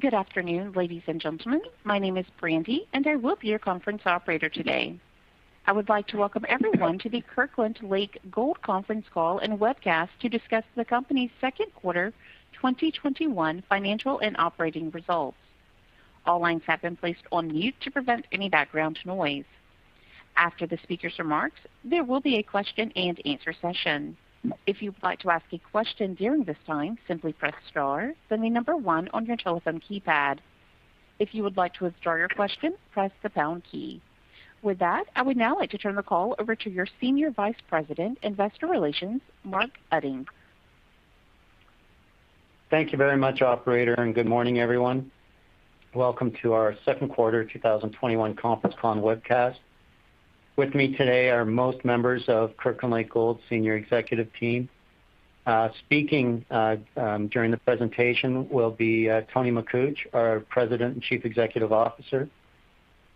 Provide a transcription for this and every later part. Good afternoon, ladies and gentlemen. My name is Brandy, and I will be your conference operator today. I would like to welcome everyone to the Kirkland Lake Gold conference call and webcast to discuss the company's second quarter 2021 financial and operating results. All lines have been placed on mute to prevent any background noise. After the speaker's remarks, there will be a question and answer session. If you would like to ask a question during this time, simply press star, then the number one on your telephone keypad. If you would like to withdraw your question, press the pound key. With that, I would now like to turn the call over to your Senior Vice President, Investor Relations, Mark Utting. Thank you very much, operator. Good morning, everyone. Welcome to our second quarter 2021 conference call and webcast. With me today are most members of Kirkland Lake Gold senior executive team. Speaking during the presentation will be Tony Makuch, our President and Chief Executive Officer,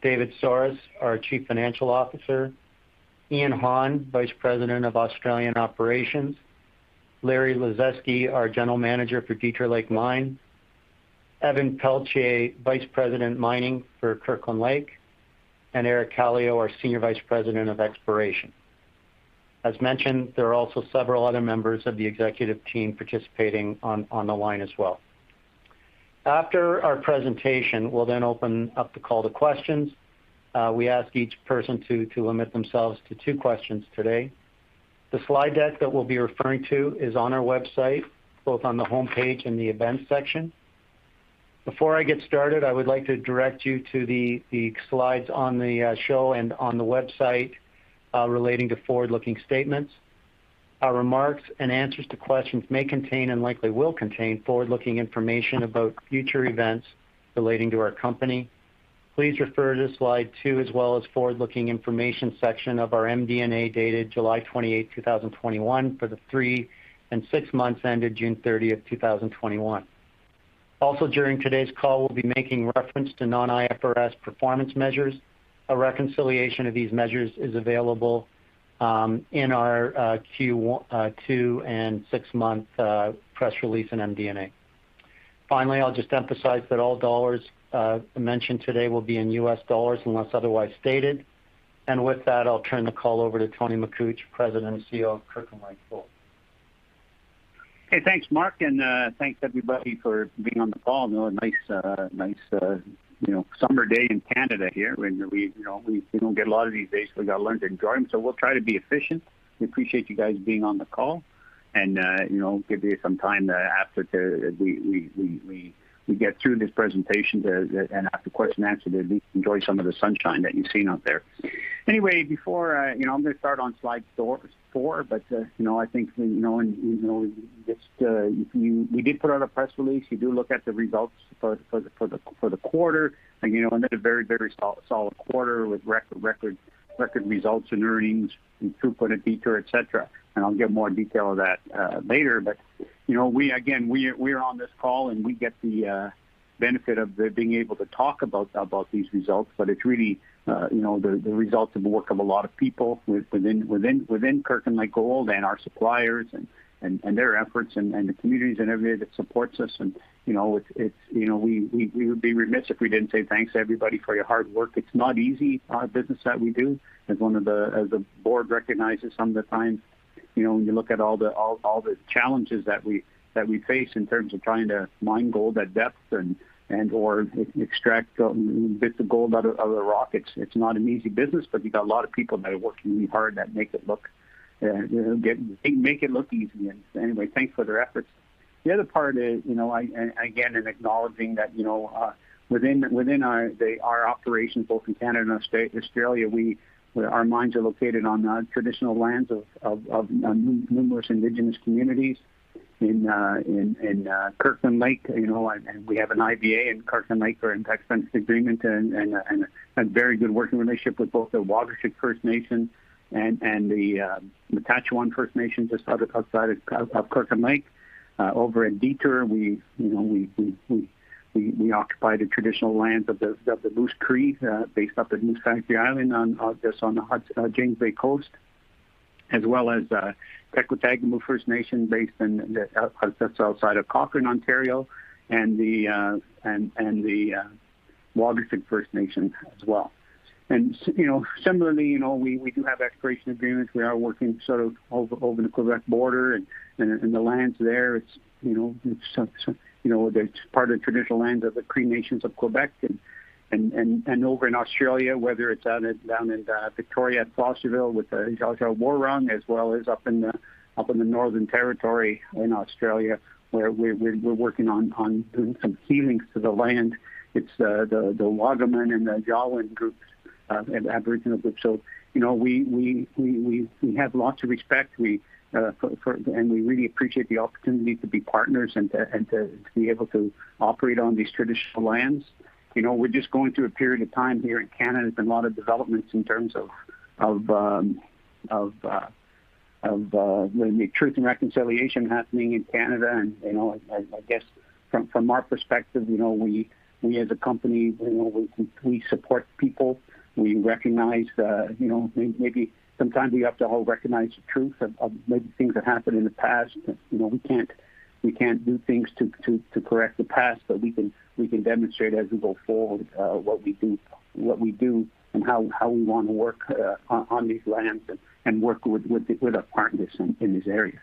David Soares, our Chief Financial Officer, Ian Holland, Vice President of Australian Operations, Larry Lazeski, our General Manager for Detour Lake Mine, Evan Pelletier, Vice President Mining for Kirkland Lake, and Eric Kallio, our Senior Vice President of Exploration. As mentioned, there are also several other members of the Executive Team participating on the line as well. After our presentation, we'll then open up the call to questions. We ask each person to limit themselves to two questions today. The slide deck that we'll be referring to is on our website, both on the homepage and the events section. Before I get started, I would like to direct you to the slides on the show and on the website, relating to forward-looking statements. Our remarks and answers to questions may contain and likely will contain forward-looking information about future events relating to our company. Please refer to slide two as well as Forward-Looking Information section of our MD&A dated July 28, 2021, for the three and six months ended June 30, 2021. Also, during today's call, we'll be making reference to non-IFRS performance measures. A reconciliation of these measures is available in our Q2 and six-month press release in MD&A. Finally, I'll just emphasize that all dollars mentioned today will be in US dollars unless otherwise stated. With that, I'll turn the call over to Tony Makuch, President and CEO of Kirkland Lake Gold. Thanks, Mark, and thanks, everybody, for being on the call. A nice summer day in Canada here. We don't get a lot of these days, so we've got to learn to enjoy them. We'll try to be efficient. We appreciate you guys being on the call and give you some time after we get through this presentation and after question and answer to at least enjoy some of the sunshine that you're seeing out there. Anyway, I'm going to start on slide four. I think we did put out a press release. You do look at the results for the quarter. Another very solid quarter with record results in earnings in throughput and Detour, et cetera. I'll give more detail on that later. Again, we are on this call, and we get the benefit of being able to talk about these results. It's really the result of the work of a lot of people within Kirkland Lake Gold and our suppliers and their efforts and the communities and everybody that supports us. We would be remiss if we didn't say thanks to everybody for your hard work. It's not easy, the business that we do. As the board recognizes sometimes, when you look at all the challenges that we face in terms of trying to mine gold at depths and/or extract bits of gold out of the rock. It's not an easy business, but you've got a lot of people that are working really hard that make it look easy. Anyway, thanks for their efforts. The other part is, again, in acknowledging that within our operations, both in Canada and Australia, our mines are located on traditional lands of numerous indigenous communities. In Kirkland Lake, we have an IBA in Kirkland Lake, we're in an Impact Benefit Agreement and a very good working relationship with both the Wahgoshig First Nation and the Matachewan First Nation just outside of Kirkland Lake. Over in Detour, we occupy the traditional lands of the Moose Cree, based up at Moose Factory Island, just on the James Bay coast, as well as Taykwa Tagamou Nation based just outside of Cochrane, Ontario, and the Wahgoshig First Nation as well. Similarly, we do have exploration agreements. We are working sort of over the Quebec border and the lands there. It's part of the traditional lands of the Cree Nations of Quebec. Over in Australia, whether it's down in Victoria at Fosterville with the Dja Dja Wurrung, as well as up in the Northern Territory in Australia, where we're working on doing some ceilings to the land. It's the Wagiman and the Jawoyn groups, Aboriginal groups. We have lots of respect, and we really appreciate the opportunity to be partners and to be able to operate on these traditional lands. We're just going through a period of time here in Canada. There's been a lot of developments in terms of the Truth and Reconciliation happening in Canada. I guess from our perspective, We as a company, we support people. We recognize that maybe sometimes we have to all recognize the truth of maybe things that happened in the past. We can't do things to correct the past, but we can demonstrate as we go forward what we do, and how we want to work on these lands and work with our partners in these areas.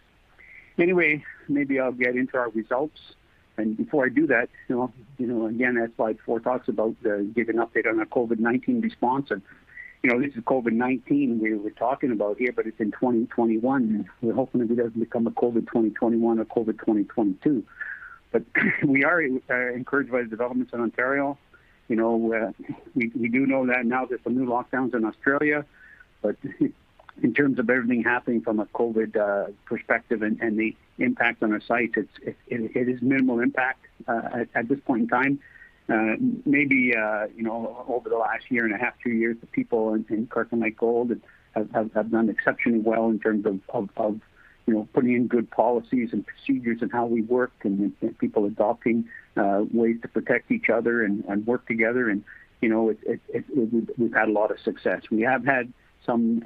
Anyway, maybe I'll get into our results. Before I do that, again, that's why four talks about give an update on our COVID-19 response. This is COVID-19 we're talking about here, but it's in 2021, and we're hoping that it doesn't become a COVID 2021 or COVID 2022. We are encouraged by the developments in Ontario. We do know that now there's some new lockdowns in Australia, but in terms of everything happening from a COVID perspective and the impact on our site, it is minimal impact at this point in time. Maybe over the last 1.5 years, two years, the people in Kirkland Lake Gold have done exceptionally well in terms of putting in good policies and procedures and how we work and people adopting ways to protect each other and work together. We've had a lot of success. We have had some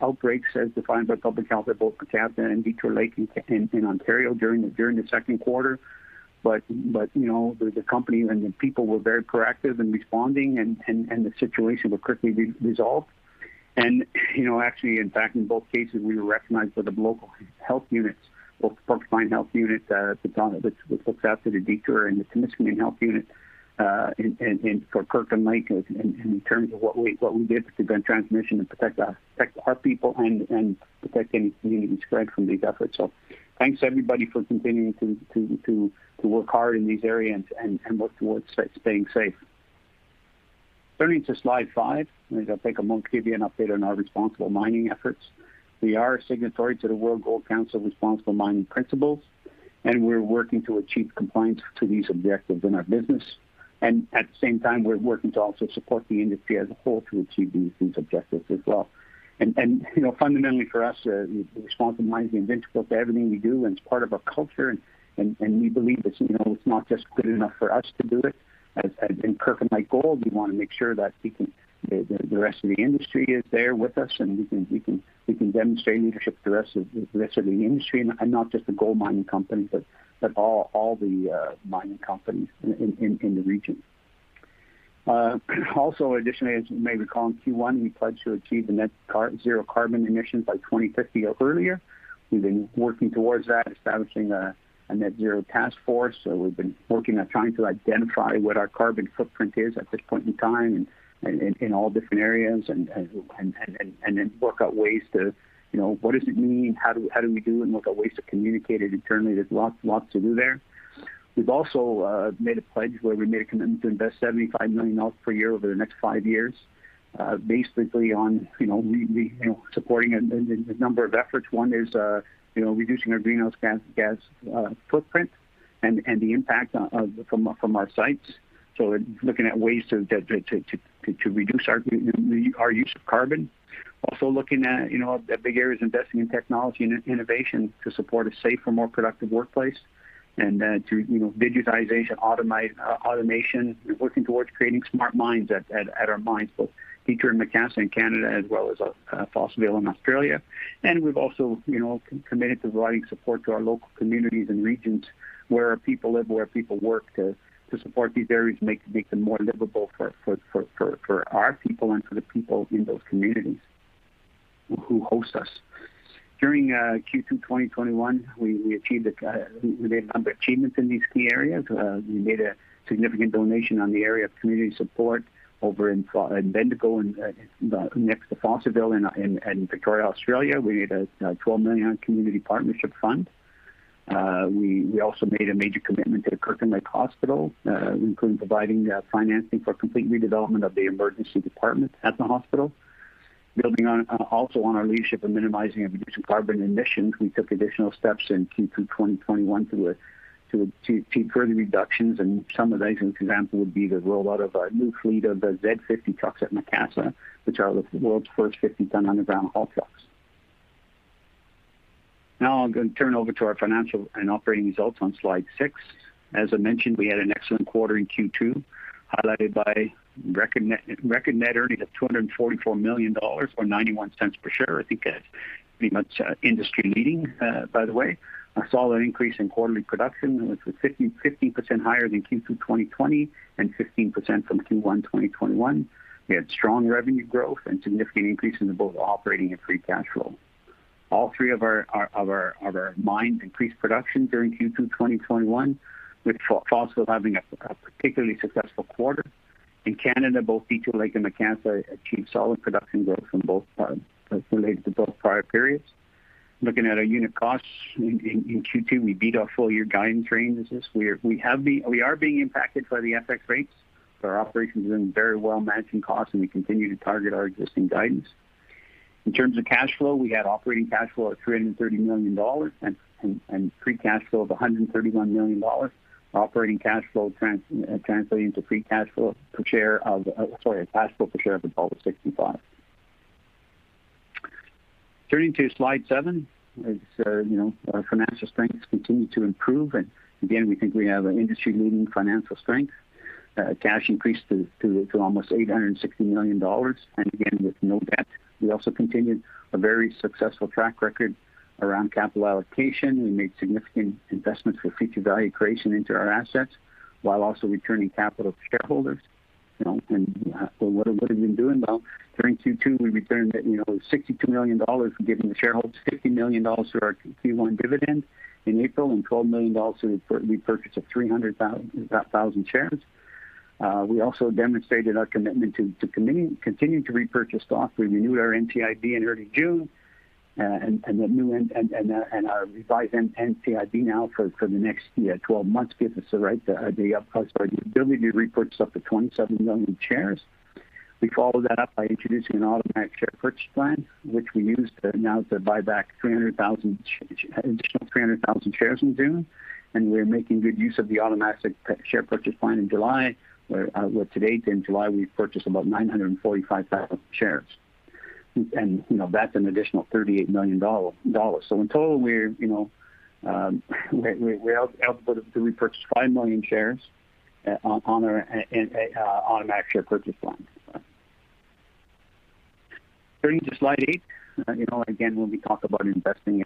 outbreaks as defined by public health at both Macassa and Detour Lake in Ontario during the second quarter. The company and the people were very proactive in responding and the situation was quickly resolved. Actually, in fact, in both cases, we were recognized by the local health units, both Porcupine Health Unit, which looks after the Detour and the Timiskaming Health Unit for Kirkland Lake, in terms of what we did to prevent transmission and protect our people and protect any community spread from these efforts. Thanks, everybody, for continuing to work hard in these areas and work towards staying safe. Turning to slide 5, I'll take a moment to give you an update on our responsible mining efforts. We are a signatory to the Responsible Gold Mining Principles, and we're working to achieve compliance to these objectives in our business. At the same time, we're working to also support the industry as a whole to achieve these objectives as well. Fundamentally for us, responsible mining is integral to everything we do, and it's part of our culture, and we believe it's not just good enough for us to do it. At Kirkland Lake Gold, we want to make sure that the rest of the industry is there with us, and we can demonstrate leadership to the rest of the industry, and not just the gold mining companies, but all the mining companies in the region. Additionally, as you may recall, in Q1, we pledged to achieve a net zero carbon emissions by 2050 or earlier. We've been working towards that, establishing a net zero task force. We've been working on trying to identify what our carbon footprint is at this point in time and in all different areas, then work out ways to, what does it mean? How do we do? Look at ways to communicate it internally. There's lots to do there. We've also made a pledge where we made a commitment to invest $75 million per year over the next five years, basically on supporting a number of efforts. One is reducing our greenhouse gas footprint and the impact from our sites. Looking at ways to reduce our use of carbon. Looking at big areas, investing in technology and innovation to support a safer, more productive workplace and to digitization, automation. We're working towards creating smart mines at our mines, both Detour and Macassa in Canada, as well as Fosterville in Australia. We've also committed to providing support to our local communities and regions where our people live, where people work, to support these areas, make them more livable for our people and for the people in those communities who host us. During Q2 2021, we made a number of achievements in these key areas. We made a significant donation on the area of community support over in Bendigo, next to Fosterville in Victoria, Australia. We made a $12 million community partnership fund. We also made a major commitment to the Kirkland Lake Hospital, including providing financing for complete redevelopment of the emergency department at the hospital. Building also on our leadership in minimizing and reducing carbon emissions, we took additional steps in Q2 2021 to achieve further reductions. Some of those, an example, would be the rollout of our new fleet of the Z50 trucks at Macassa, which are the world's first 50-tonne underground haul trucks. I'm going to turn over to our financial and operating results on slide 6. As I mentioned, we had an excellent quarter in Q2, highlighted by record net earnings of $244 million, or $0.91 per share. I think that's pretty much industry-leading, by the way. A solid increase in quarterly production. It was 15% higher than Q2 2020 and 15% from Q1 2021. We had strong revenue growth and significant increase in both operating and free cash flow. All three of our mines increased production during Q2 2021, with Fosterville having a particularly successful quarter. In Canada, both Detour Lake and Macassa achieved solid production growth related to both prior periods. Looking at our unit costs in Q2, we beat our full-year guidance ranges. We are being impacted by the FX rates, but our operations are doing very well managing costs, and we continue to target our existing guidance. In terms of cash flow, we had operating cash flow of $330 million and free cash flow of $131 million. Operating cash flow translating to free cash flow per share of, sorry, cash flow per share of $1.65. Turning to slide seven, our financial strengths continue to improve. Again, we think we have an industry-leading financial strength. Cash increased to almost $860 million. Again, with no debt. We also continued a very successful track record around capital allocation. We made significant investments for future value creation into our assets while also returning capital to shareholders. What have we been doing? Well, during Q2, we returned $62 million, giving the shareholders $50 million through our Q1 dividend in April and $12 million through the repurchase of 300,000 shares. We also demonstrated our commitment to continuing to repurchase stock. We renewed our NCIB in early June, Our revised NCIB now for the next year, 12 months, gives us the right, the up cost, our ability to repurchase up to 27 million shares. We followed that up by introducing an automatic share purchase plan, which we used now to buy back an additional 300,000 shares in June. We're making good use of the automatic share purchase plan in July, where to date in July, we've purchased about 945,000 shares. That's an additional $38 million. In total, we're able to repurchase 5 million shares on our automatic share purchase plan. Turning to slide 8. Again, when we talk about investing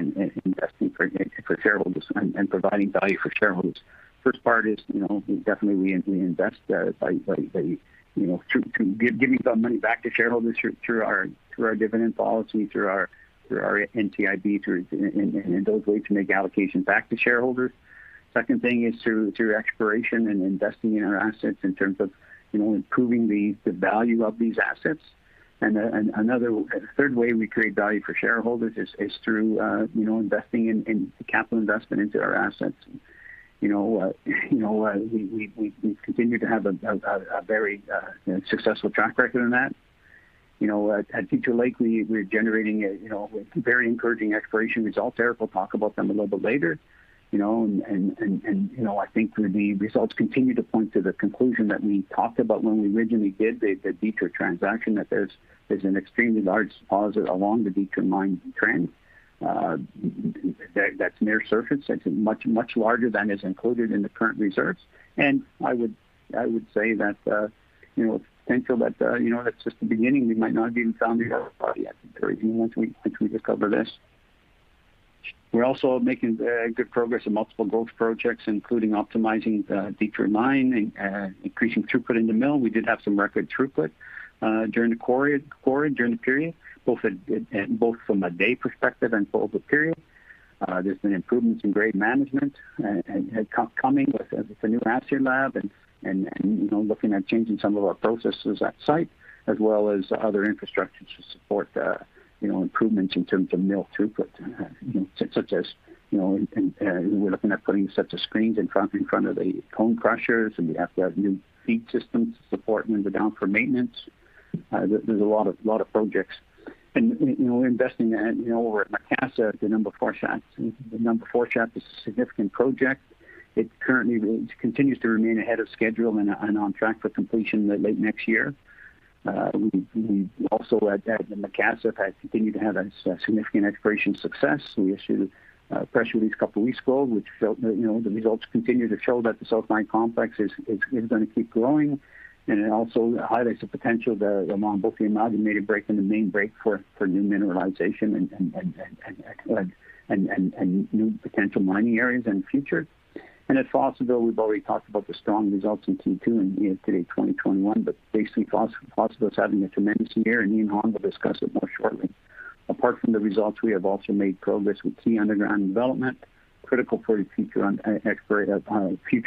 for shareholders and providing value for shareholders, first part is, we definitely invest by giving some money back to shareholders through our dividend policy, through our NCIB, and those ways we make allocations back to shareholders. Second thing is through exploration and investing in our assets in terms of improving the value of these assets. A third way we create value for shareholders is through investing in capital investment into our assets. We continue to have a very successful track record in that. At Detour Lake, we're generating very encouraging exploration results there. We'll talk about them a little bit later. I think the results continue to point to the conclusion that we talked about when we originally did the Detour transaction, that there's an extremely large deposit along the Detour Mine trend that's near surface, that's much larger than is included in the current reserves. I would say that potential, that's just the beginning. We might not be even found the other part yet. There is more once we discover this. We're also making very good progress on multiple growth projects, including optimizing Detour Mine and increasing throughput in the mill. We did have some record throughput during the quarter, during the period, both from a day perspective and for over period. There's been improvements in grade management coming with the new assay lab and looking at changing some of our processes at site, as well as other infrastructure to support the improvements in terms of mill throughput, such as we're looking at putting sets of screens in front of the cone crushers, and we have to have new feed systems to support when we're down for maintenance. There's a lot of projects. Investing over at Macassa at the number four shaft. The number four shaft is a significant project. It currently continues to remain ahead of schedule and on track for completion late next year. We also at Macassa have continued to have a significant exploration success. We issued a press release a couple weeks ago, which the results continue to show that the sulfide complex is going to keep growing. It also highlights the potential there along both the Amalgamated Break and the Main Break for new mineralization and new potential mining areas in future. At Fosterville, we've already talked about the strong results in Q2 and year to date 2021, but basically Fosterville's having a tremendous year and Ian Holland will discuss it more shortly. Apart from the results, we have also made progress with key underground development, critical for the future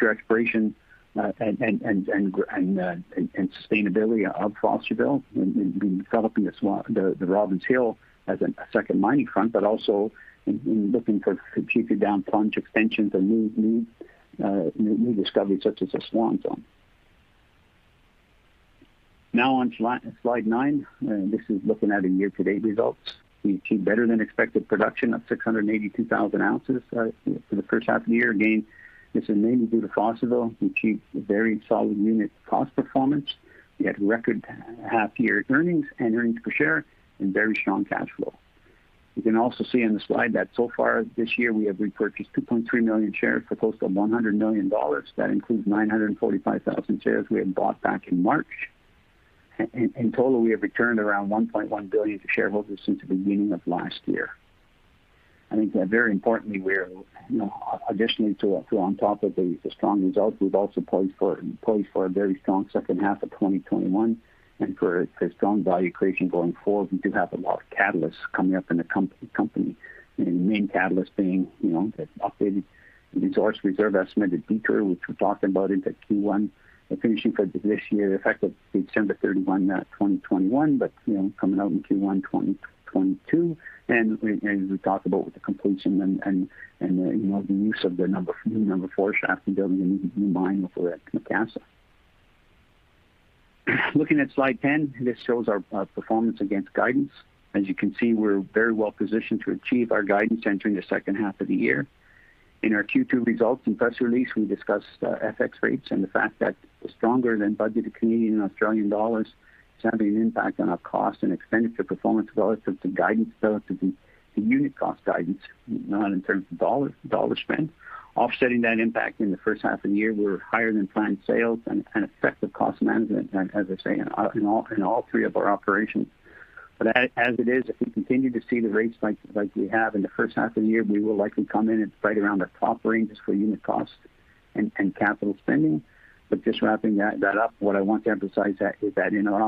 exploration and sustainability of Fosterville in developing the Robins Hill as a second mining front, but also in looking for deeper down plunge extensions and new discoveries such as the Swan Zone. On slide nine, this is looking at the year-to-date results. We achieved better-than-expected production of 682,000 oz for the first half of the year. This is mainly due to Fosterville. We achieved a very solid unit cost performance. We had record half-year earnings and earnings per share and very strong cash flow. You can also see on the slide that so far this year, we have repurchased 2.3 million shares for close to $100 million. That includes 945,000 shares we had bought back in March. In total, we have returned around $1.1 billion to shareholders since the beginning of last year. I think very importantly, additionally on top of the strong results, we've also poised for a very strong second half of 2021 and for strong value creation going forward. We do have a lot of catalysts coming up in the company. The main catalyst being the updated resource reserve estimate at Detour, which we're talking about into Q1. The finishing for this year, effective December 31, 2021, but coming out in Q1 2022. As we talk about with the completion and the use of the new number four shaft to build a new mine over at Macassa. Looking at slide 10, this shows our performance against guidance. As you can see, we're very well positioned to achieve our guidance entering the second half of the year. In our Q2 results and press release, we discussed FX rates and the fact that the stronger than budgeted Canadian and Australian dollars is having an impact on our cost and expenditure performance relative to guidance, relative to the unit cost guidance, not in terms of dollar spend. Offsetting that impact in the first half of the year were higher than planned sales and effective cost management, as I say, in all three of our operations. As it is, if we continue to see the rates like we have in the first half of the year, we will likely come in right around the top ranges for unit cost and capital spending. Just wrapping that up, what I want to emphasize is that our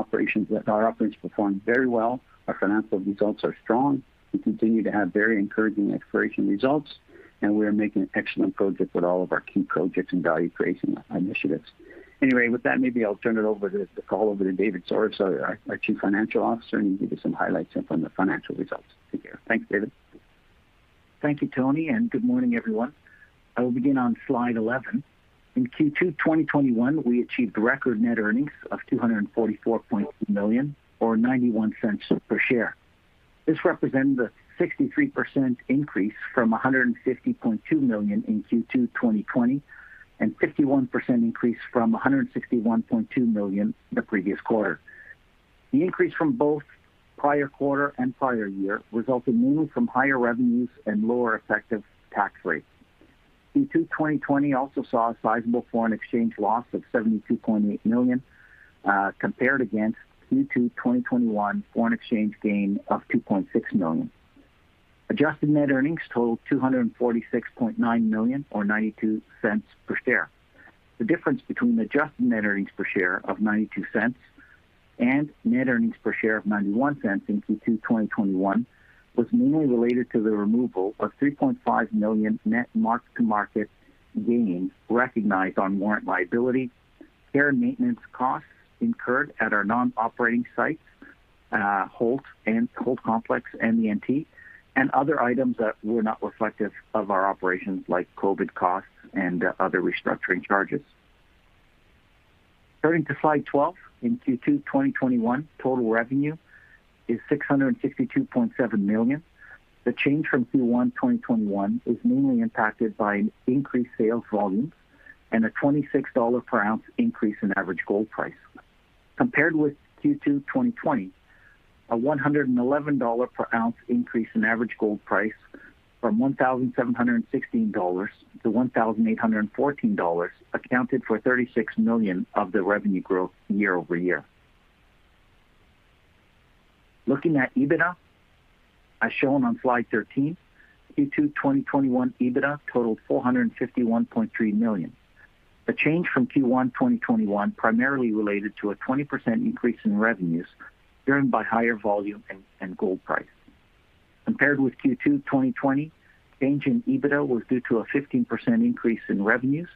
operations performed very well, our financial results are strong, we continue to have very encouraging exploration results, and we are making excellent progress with all of our key projects and value creation initiatives. With that, maybe I'll turn the call over to David Soares, our Chief Financial Officer, and he'll give you some highlights from the financial results. Take care. Thanks, David. Thank you, Tony, good morning, everyone. I will begin on slide 11. In Q2 2021, we achieved record net earnings of $244.2 million, or $0.91 per share. This represents a 63% increase from $150.2 million in Q2 2020, 51% increase from $161.2 million the previous quarter. The increase from both prior quarter and prior year was ultimately from higher revenues and lower effective tax rates. Q2 2020 also saw a sizable foreign exchange loss of $72.8 million, compared against Q2 2021 foreign exchange gain of $2.6 million. Adjusted net earnings totaled $246.9 million, or $0.92 per share. The difference between adjusted net earnings per share of $0.92 and net earnings per share of $0.91 in Q2 2021 was mainly related to the removal of $3.5 million net mark-to-market gains recognized on warrant liability, care and maintenance costs incurred at our non-operating sites, Holt Complex and the NT, and other items that were not reflective of our operations, like COVID costs and other restructuring charges. Turning to slide 12 in Q2 2021, total revenue is $662.7 million. The change from Q1 2021 is mainly impacted by an increased sales volume and a $26 per ounce increase in average gold price. Compared with Q2 2020, a $111 per ounce increase in average gold price from $1,716 to $1,814 accounted for $36 million of the revenue growth year-over-year. Looking at EBITDA, as shown on slide 13, Q2 2021 EBITDA totaled $451.3 million. A change from Q1 2021 primarily related to a 20% increase in revenues, driven by higher volume and gold price. Compared with Q2 2020, change in EBITDA was due to a 15% increase in revenues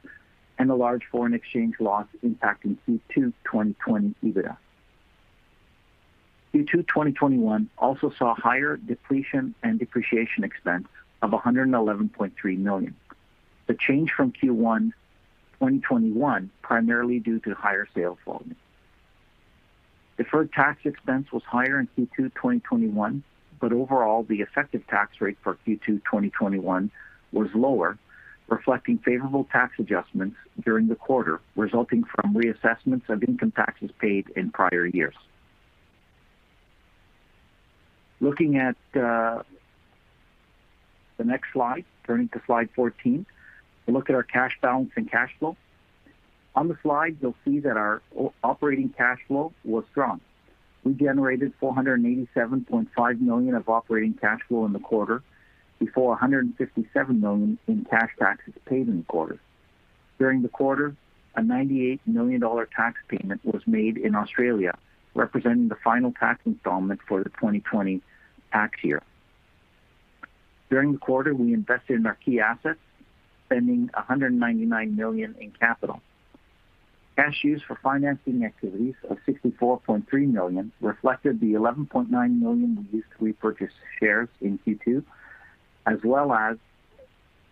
and a large foreign exchange loss impacting Q2 2020 EBITDA. Q2 2021 also saw higher depletion and depreciation expense of $111.3 million. The change from Q1 2021 primarily due to higher sales volume. Deferred tax expense was higher in Q2 2021, but overall, the effective tax rate for Q2 2021 was lower, reflecting favorable tax adjustments during the quarter, resulting from reassessments of income taxes paid in prior years. Looking at the next slide, turning to slide 14, we look at our cash balance and cash flow. On the slide, you'll see that our operating cash flow was strong. We generated $487.5 million of operating cash flow in the quarter, before $157 million in cash taxes paid in the quarter. During the quarter, a $98 million tax payment was made in Australia, representing the final tax installment for the 2020 tax year. During the quarter, we invested in our key assets, spending $199 million in capital. Cash used for financing activities of $64.3 million reflected the $11.9 million we used to repurchase shares in Q2, as well as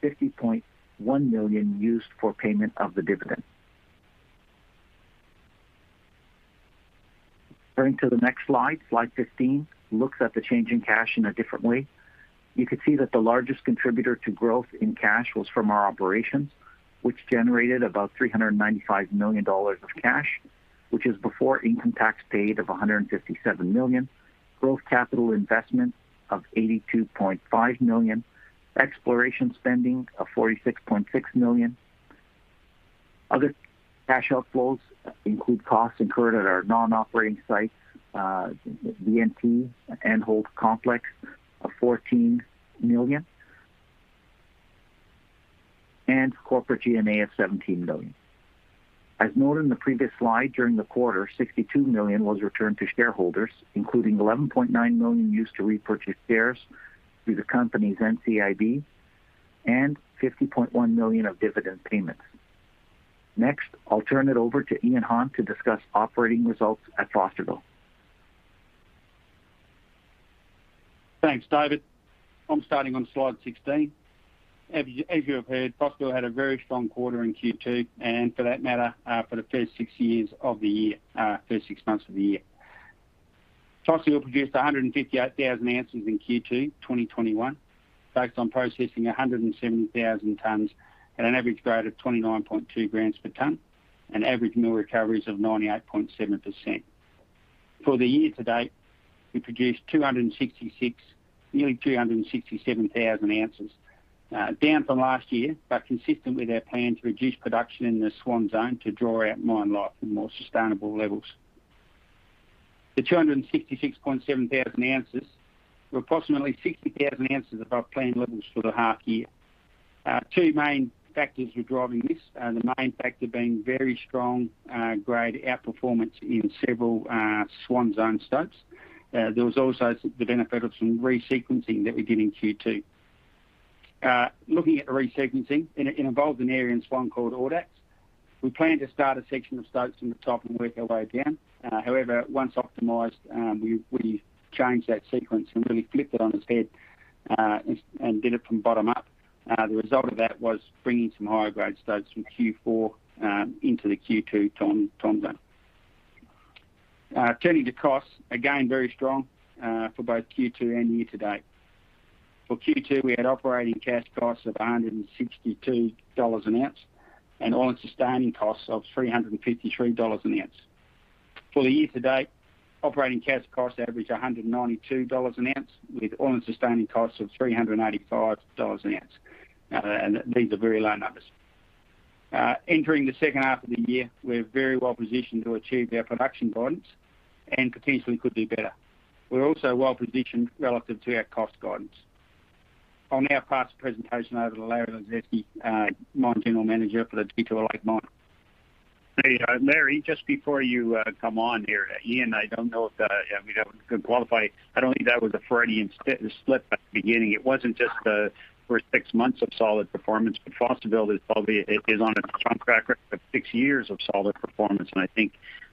$50.1 million used for payment of the dividend. Turning to the next slide 15 looks at the change in cash in a different way. You could see that the largest contributor to growth in cash was from our operations, which generated about $395 million of cash, which is before income tax paid of $157 million, growth capital investments of $82.5 million, exploration spending of $46.6 million. Other cash outflows include costs incurred at our non-operating sites, the NT and Holt Complex, of $14 million, and corporate G&A of $17 million. As noted in the previous slide, during the quarter, $62 million was returned to shareholders, including $11.9 million used to repurchase shares through the company's NCIB and $50.1 million of dividend payments. Next, I'll turn it over to Ian Holland to discuss operating results at Fosterville. Thanks, David. I'm starting on slide 16. As you have heard, Fosterville had a very strong quarter in Q2, and for that matter, for the first six months of the year. Fosterville produced 158,000 oz in Q2 2021, based on processing 170,000 tons at an average grade of 29.2 g per ton and average mill recoveries of 98.7%. For the year to date, we produced 266,000, nearly 267,000 oz. Consistent with our plan to reduce production in the Swan Zone to draw out mine life in more sustainable levels. The 266,700 oz were approximately 60,000 oz above planned levels for the half year. Two main factors were driving this. The main factor being very strong grade outperformance in several Swan Zone stopes. There was also the benefit of some resequencing that we did in Q2. Looking at resequencing, it involved an area in Swan called Audax. We planned to start a section of stopes from the top and work our way down. However, once optimized, we changed that sequence and really flipped it on its head, and did it from the bottom up. The result of that was bringing some higher-grade stopes from Q4 into the Q2 ton zone. Turning to costs, again, very strong for both Q2 and year-to-date. For Q2, we had operating cash costs of $162 an ounce and all-in sustaining costs of $353 an ounce. For the year-to-date, operating cash costs average $192 an ounce with all-in sustaining costs of $385 an ounce. These are very low numbers. Entering the second half of the year, we're very well-positioned to achieve our production guidance and potentially could do better. We're also well-positioned relative to our cost guidance. I'll now pass the presentation over to Larry Lazeski, Mine General Manager for the Detour Lake Mine. Hey, Larry, just before you come on here, Ian, I don't know if, we don't qualify. I don't think that was a Freudian slip at the beginning. It wasn't just the first six months of solid performance, but Fosterville is on a track record of six years of solid performance. I think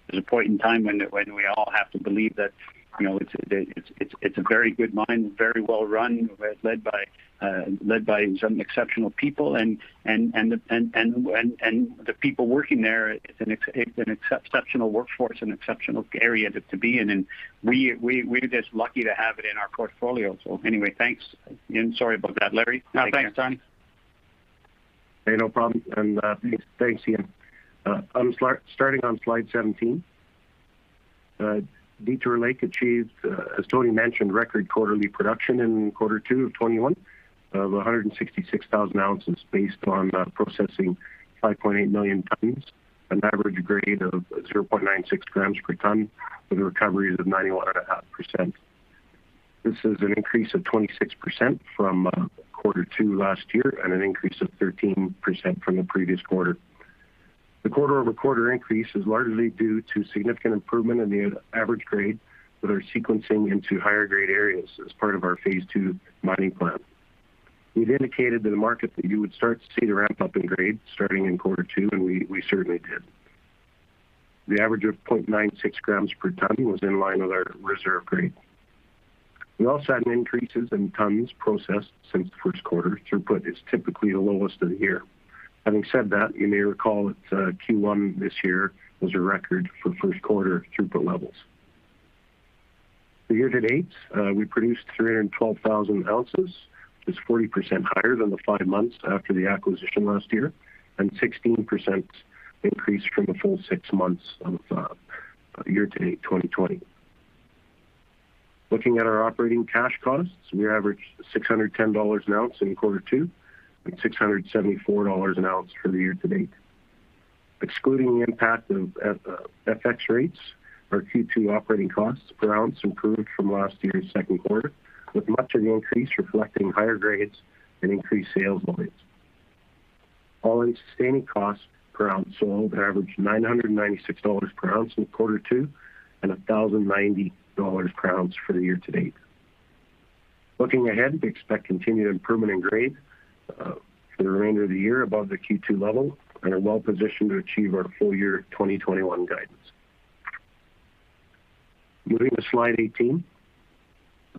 there's a point in time when we all have to believe that it's a very good mine, very well run, led by some exceptional people and the people working there, it's an exceptional workforce, an exceptional area to be in. We're just lucky to have it in our portfolio. Anyway, thanks. Ian, sorry about that. Larry, take it away. No, thanks, Tony. Hey, no problem. Thanks, Ian. Starting on slide 17. Detour Lake achieved, as Tony mentioned, record quarterly production in quarter two of 2021 of 166,000 oz based on processing 5.8 million tons, an average grade of 0.96 g per ton with recoveries of 91.5%. This is an increase of 26% from quarter two last year and an increase of 13% from the previous quarter. The quarter-over-quarter increase is largely due to significant improvement in the average grade with our sequencing into higher grade areas as part of our phase 2 mining plan. We've indicated to the market that you would start to see the ramp up in grades starting in quarter two, and we certainly did. The average of 0.96 g per ton was in line with our reserve grade. We also had increases in tons processed since the first quarter. Throughput is typically the lowest of the year. Having said that, you may recall that Q1 this year was a record for first quarter throughput levels. For year to date, we produced 312,000 oz, which is 40% higher than the five months after the acquisition last year and 16% increase from the full six months of year to date 2020. Looking at our operating cash costs, we averaged $610 an ounce in quarter two and $674 an ounce for the year to date. Excluding the impact of FX rates, our Q2 operating costs per ounce improved from last year's second quarter, with much of the increase reflecting higher grades and increased sales volumes. all-in sustaining cost per ounce sold averaged $996 per ounce in quarter two and $1,090 per ounce for the year to date. Looking ahead, we expect continued improvement in grade for the remainder of the year above the Q2 level and are well positioned to achieve our full year 2021 guidance. Moving to slide 18.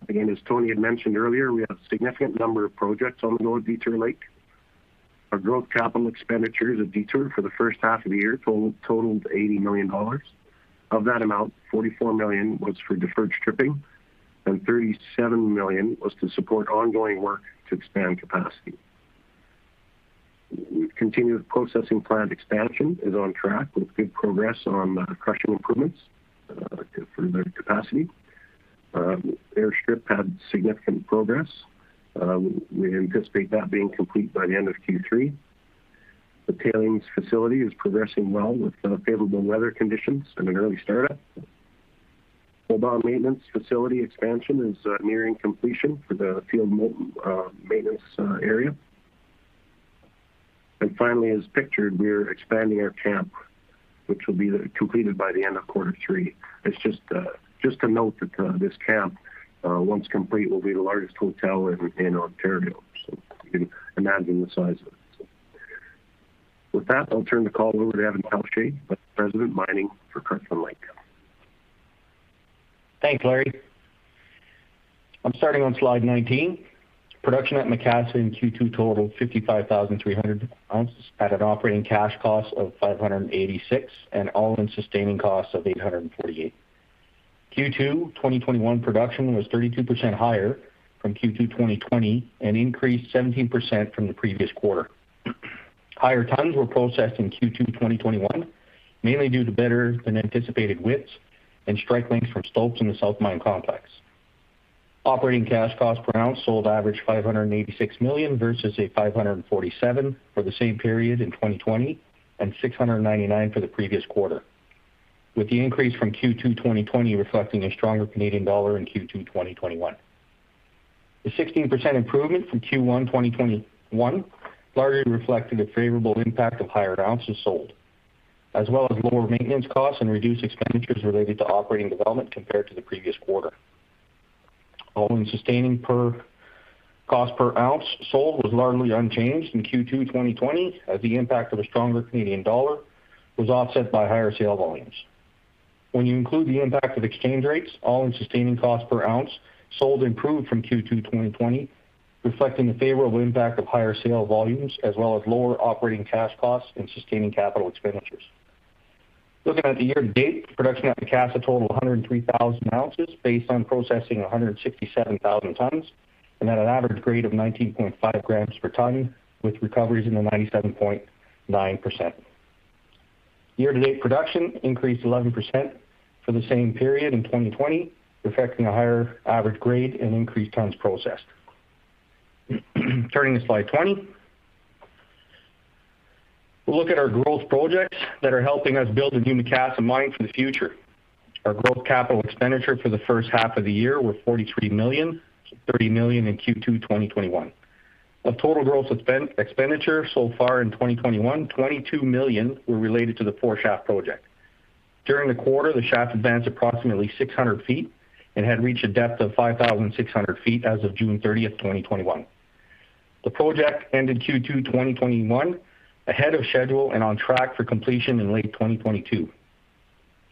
Again, as Tony had mentioned earlier, we have a significant number of projects ongoing at Detour Lake. Our growth capital expenditures at Detour for the first half of the year totaled $80 million. Of that amount, $44 million was for deferred stripping and $37 million was to support ongoing work to expand capacity. Continued processing plant expansion is on track with good progress on crushing improvements for better capacity. Airstrip had significant progress. We anticipate that being complete by the end of Q3. The tailings facility is progressing well with favorable weather conditions and an early startup. Mobile maintenance facility expansion is nearing completion for the field maintenance area. Finally, as pictured, we're expanding our camp, which will be completed by the end of quarter three. It's just a note that this camp, once complete, will be the largest hotel in Ontario. You can imagine the size of it. With that, I'll turn the call over to Evan Pelletier, Vice President of Mining for Kirkland Lake. Thanks, Larry. I'm starting on slide 19. Production at Macassa in Q2 totaled 55,300 oz at an operating cash cost of $586 and all-in sustaining costs of $848. Q2 2021 production was 32% higher from Q2 2020 and increased 17% from the previous quarter. Higher tons were processed in Q2 2021, mainly due to better than anticipated widths and strike lengths from stopes in the South Mine Complex. Operating cash cost per ounce sold averaged $586 versus a $547 for the same period in 2020 and $699 for the previous quarter, with the increase from Q2 2020 reflecting a stronger Canadian dollar in Q2 2021. The 16% improvement from Q1 2021 largely reflected a favorable impact of higher ounces sold, as well as lower maintenance costs and reduced expenditures related to operating development compared to the previous quarter. All-in sustaining costs per ounce sold was largely unchanged in Q2 2020 as the impact of a stronger Canadian dollar was offset by higher sale volumes. When you include the impact of exchange rates, all-in sustaining costs per ounce sold improved from Q2 2020, reflecting the favorable impact of higher sale volumes, as well as lower operating cash costs and sustaining capital expenditures. Looking at the year-to-date, production at Macassa totaled 103,000 oz based on processing 167,000 tons and at an average grade of 19.5 g per ton, with recoveries in the 97.9%. Year-to-date production increased 11% for the same period in 2020, reflecting a higher average grade and increased tons processed. Turning to slide 20. We'll look at our growth projects that are helping us build the new Macassa mine for the future. Our growth capital expenditure for the first half of the year were $43 million, $30 million in Q2 2021. Of total growth expenditure so far in 2021, $22 million were related to the 4 Shaft project. During the quarter, the shaft advanced approximately 600 feet and had reached a depth of 5,600 feet as of June 30th, 2021. The project ended Q2 2021 ahead of schedule and on track for completion in late 2022.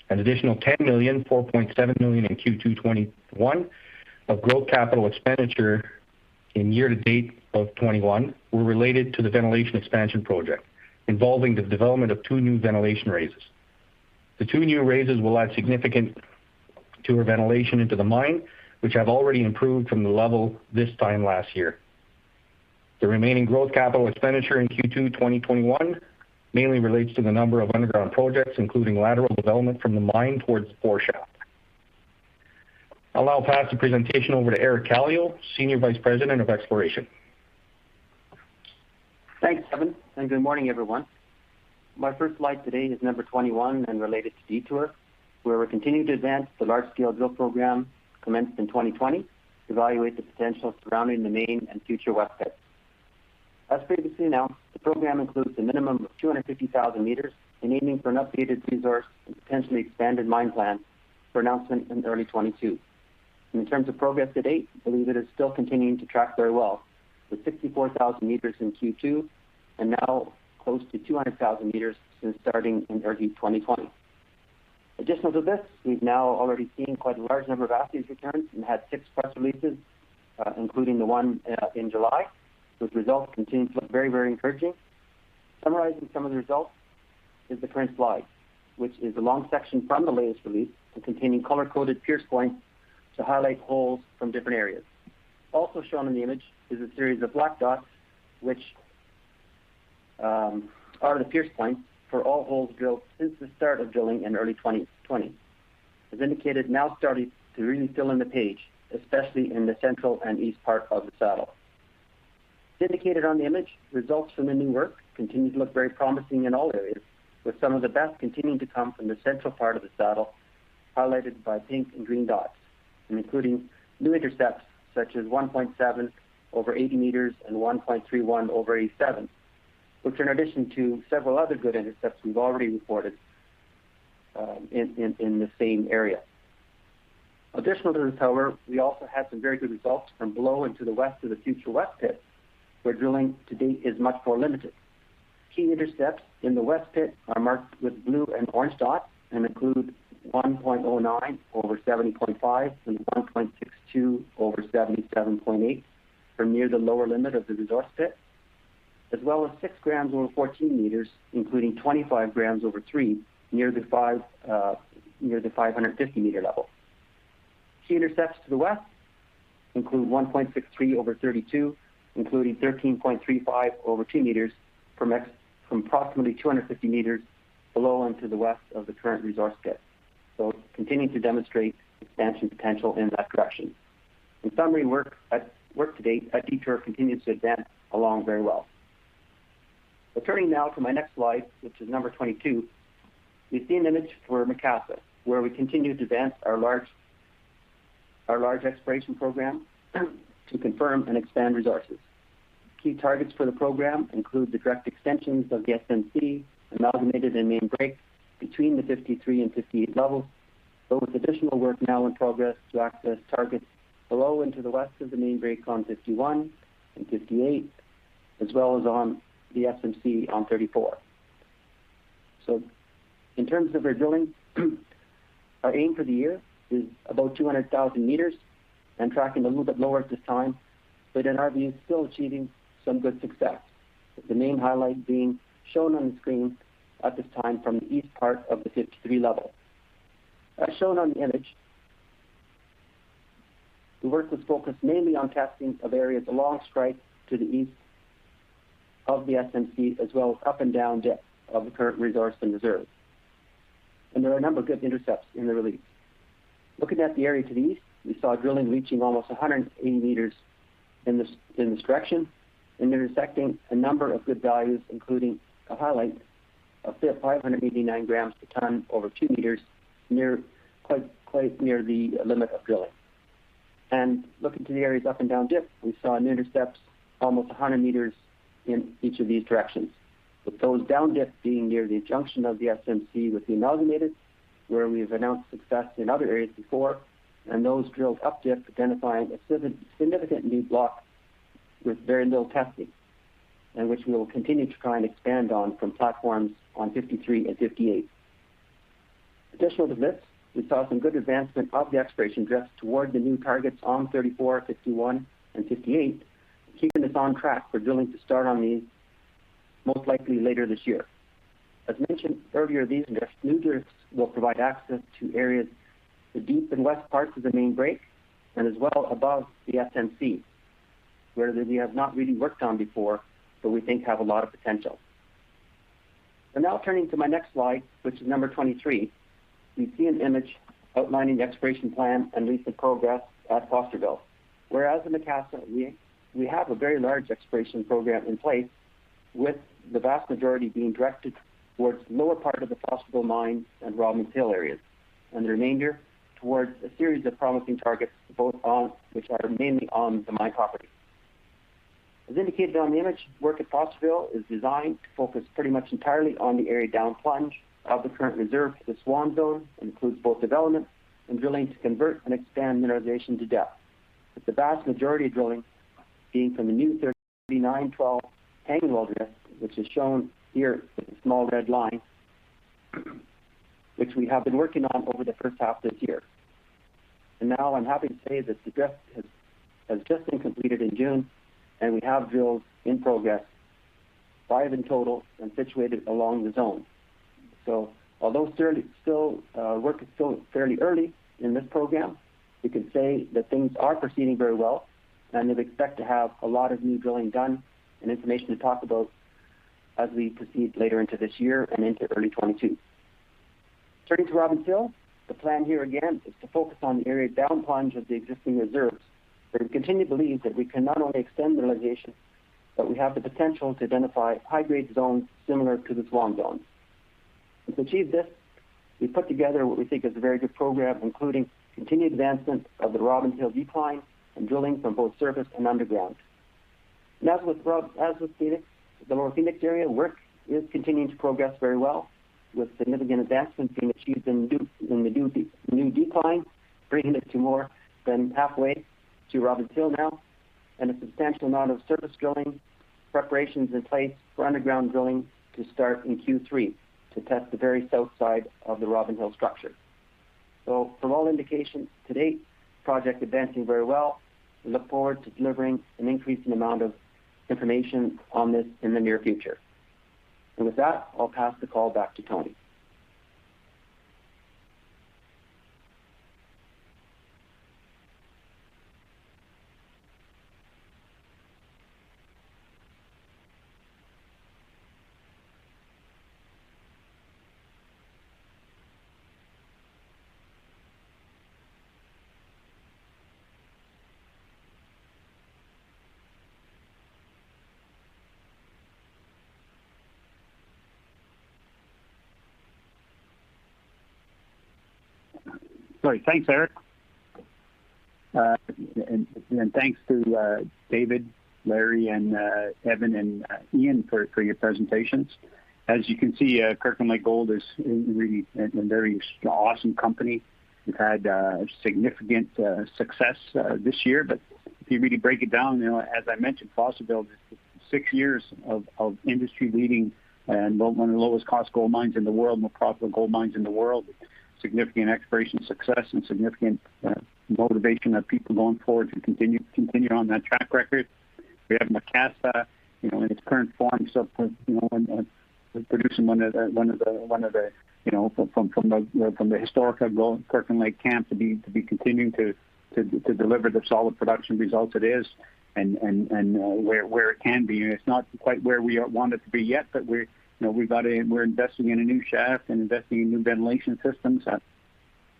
An additional $10 million, $4.7 million in Q2 2021 of growth capital expenditure in year-to-date of 2021 were related to the ventilation expansion project, involving the development of two new ventilation raises. The two new raises will add significant tour ventilation into the mine, which have already improved from the level this time last year. The remaining growth capital expenditure in Q2 2021 mainly relates to the number of underground projects, including lateral development from the mine towards 4 Shaft. I will now pass the presentation over to Eric Kallio, Senior Vice President of Exploration. Thanks, Evan. Good morning, everyone. My first slide today is 21, related to Detour, where we're continuing to advance the large-scale drill program commenced in 2020 to evaluate the potential surrounding the Main and future West Pit. As previously announced, the program includes a minimum of 250,000 m, aiming for an updated resource and potentially expanded mine plan for announcement in early 2022. In terms of progress to date, believe it is still continuing to track very well, with 64,000 m in Q2 and now close to 200,000 m since starting in early 2020. Additional to this, we've now already seen quite a large number of assay returns and had six press releases, including the one in July. Those results continue to look very encouraging. Summarizing some of the results is the current slide, which is a long section from the latest release and containing color-coded pierce points to highlight holes from different areas. Also shown in the image is a series of black dots, which are the pierce points for all holes drilled since the start of drilling in early 2020. As indicated, now starting to really fill in the page, especially in the central and east part of the Saddle. As indicated on the image, results from the new work continue to look very promising in all areas, with some of the best continuing to come from the central part of the Saddle, highlighted by pink and green dots, and including new intercepts such as 1.7 over 80 m and 1.31 over 87, which are in addition to several other good intercepts we've already reported in the same area. Additionally, however, we also had some very good results from below and to the west of the future West Pit, where drilling to date is much more limited. Key intercepts in the West Pit are marked with blue and orange dots and include 1.09 over 70.5 and 1.62 over 77.8 from near the lower limit of the resource pit, as well as 6 g over 14 m, including 25 g over 3 near the 550-m level. Key intercepts to the west include 1.63 over 32, including 13.35 over 2 m from approximately 250 m below and to the west of the current resource pit. Continuing to demonstrate expansion potential in that direction. In summary, work to date at Detour continues to advance along very well. Turning now to my next slide, which is number 22, we see an image for Macassa, where we continue to advance our large exploration program to confirm and expand resources. Key targets for the program include the direct extensions of the SMC, Amalgamated and Main Break between the 53 and 58 level, but with additional work now in progress to access targets below and to the west of the Main Break on 51 and 58, as well as on the SMC on 34. In terms of our drilling, our aim for the year is about 200,000 m and tracking a little bit lower at this time, but in our view, still achieving some good success. The main highlight being shown on the screen at this time from the east part of the 53 level. As shown on the image, the work was focused mainly on testing of areas along strike to the east of the SMC, as well as up and down depth of the current resource and reserve. There are a number of good intercepts in the release. Looking at the area to the east, we saw drilling reaching almost 180 m in this direction and intersecting a number of good values, including a highlight of 589 g per ton over 2 m, quite near the limit of drilling. Looking to the areas up and down dip, we saw new intercepts almost 100 m in each of these directions, with those down dip being near the junction of the SMC with the Amalgamated Break, where we've announced success in other areas before. Those drilled up dip identifying a significant new block with very little testing, and which we will continue to try and expand on from platforms on 53 and 58. Additional to this, we saw some good advancement of the exploration drift toward the new targets on 34, 51, and 58, keeping us on track for drilling to start on these most likely later this year. As mentioned earlier, these new drifts will provide access to areas, the deep and west parts of the Main Break, and as well above the SMC, where we have not really worked on before, but we think have a lot of potential. Now turning to my next slide, which is number 23. We see an image outlining the exploration plan and recent progress at Fosterville. Whereas in Macassa, we have a very large exploration program in place with the vast majority being directed towards lower part of the Fosterville Mine and Robins Hill areas, and the remainder towards a series of promising targets, which are mainly on the mine property. As indicated on the image, work at Fosterville is designed to focus pretty much entirely on the area down plunge of the current reserve for the Swan Zone, includes both development and drilling to convert and expand mineralization to depth, with the vast majority of drilling being from the new 3912 angle drift, which is shown here with a small red line, which we have been working on over the first half this year. Now I'm happy to say that the drift has just been completed in June, and we have drills in progress, five in total and situated along the zone. Although work is still fairly early in this program, we can say that things are proceeding very well, and we expect to have a lot of new drilling done and information to talk about as we proceed later into this year and into early 2022. Turning to Robins Hill, the plan here again is to focus on the area down plunge of the existing reserves, where we continue to believe that we can not only extend mineralization, but we have the potential to identify high-grade zones similar to the Swan Zone. To achieve this, we put together what we think is a very good program, including continued advancement of the Robins Hill decline and drilling from both surface and underground. As with Phoenix, the lower Phoenix area, work is continuing to progress very well, with significant advancement being achieved in the new decline, bringing it to more than halfway to Robins Hill now, and a substantial amount of surface drilling preparations in place for underground drilling to start in Q3 to test the very south side of the Robins Hill structure. From all indications to date, project advancing very well. We look forward to delivering an increasing amount of information on this in the near future. With that, I'll pass the call back to Tony. Great. Thanks, Eric. Thanks to David, Larry, and Evan and Ian for your presentations. As you can see, Kirkland Lake Gold is really a very awesome company. We've had significant success this year, but if you really break it down, as I mentioned, Fosterville, six years of industry-leading and one of the lowest cost gold mines in the world, most profitable gold mines in the world, significant exploration success and significant motivation of people going forward to continue on that track record. We have Macassa in its current form, so we're producing from the historical gold Kirkland Lake camp to be continuing to deliver the solid production results it is and where it can be. It's not quite where we want it to be yet, but we're investing in a new shaft and investing in new ventilation systems that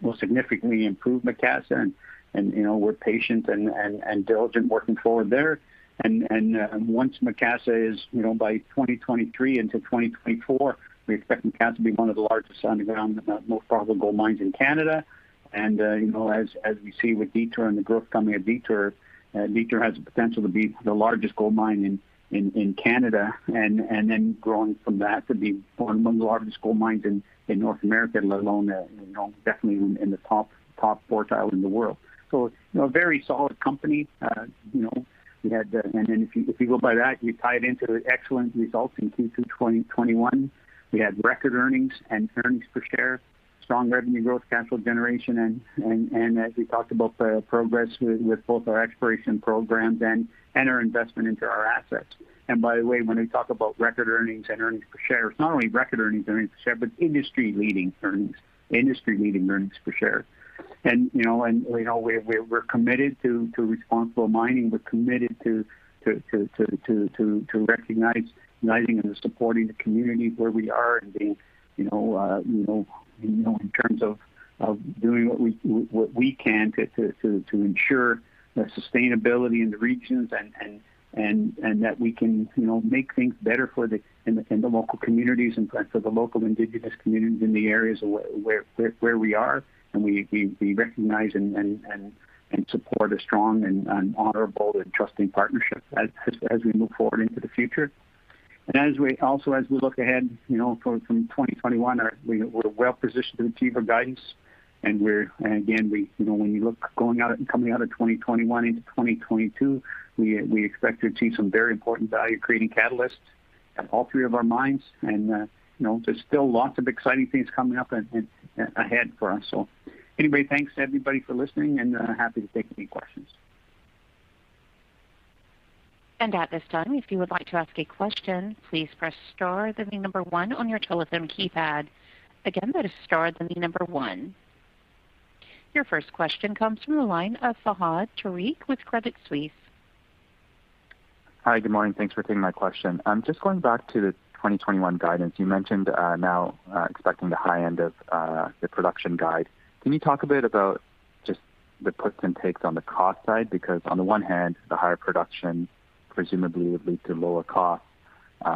will significantly improve Macassa, and we're patient and diligent working forward there. Once Macassa is by 2023 into 2024, we expect Macassa to be one of the largest underground, most profitable gold mines in Canada. As we see with Detour and the growth coming at Detour has the potential to be the largest gold mine in Canada. Then growing from that to be one of the largest gold mines in North America, let alone definitely in the top quartile in the world. A very solid company. Then if you go by that, you tie it into the excellent results in Q2 2021. We had record earnings and earnings per share. Strong revenue growth, cash flow generation, and as we talked about the progress with both our exploration programs and our investment into our assets. By the way, when we talk about record earnings and earnings per share, it's not only record earnings and earnings per share, but industry-leading earnings per share. We're committed to responsible mining. We're committed to recognizing and supporting the communities where we are and being, in terms of doing what we can to ensure the sustainability in the regions, and that we can make things better in the local communities and for the local indigenous communities in the areas where we are. We recognize and support a strong and honorable and trusting partnership as we move forward into the future. As we also look ahead, from 2021, we're well-positioned to achieve our guidance. Again, when you look coming out of 2021 into 2022, we expect to achieve some very important value-creating catalysts at all three of our mines. There's still lots of exciting things coming up and ahead for us. Anyway, thanks everybody for listening and happy to take any questions. At this time, if you would like to ask a question, please press star, then the number one on your telephone keypad. Again, that is star, then the number one. Your first question comes from the line of Fahad Tariq with Credit Suisse. Hi, good morning. Thanks for taking my question. Just going back to the 2021 guidance you mentioned now expecting the high end of the production guide. Can you talk a bit about just the puts and takes on the cost side? On the one hand, the higher production presumably would lead to lower cost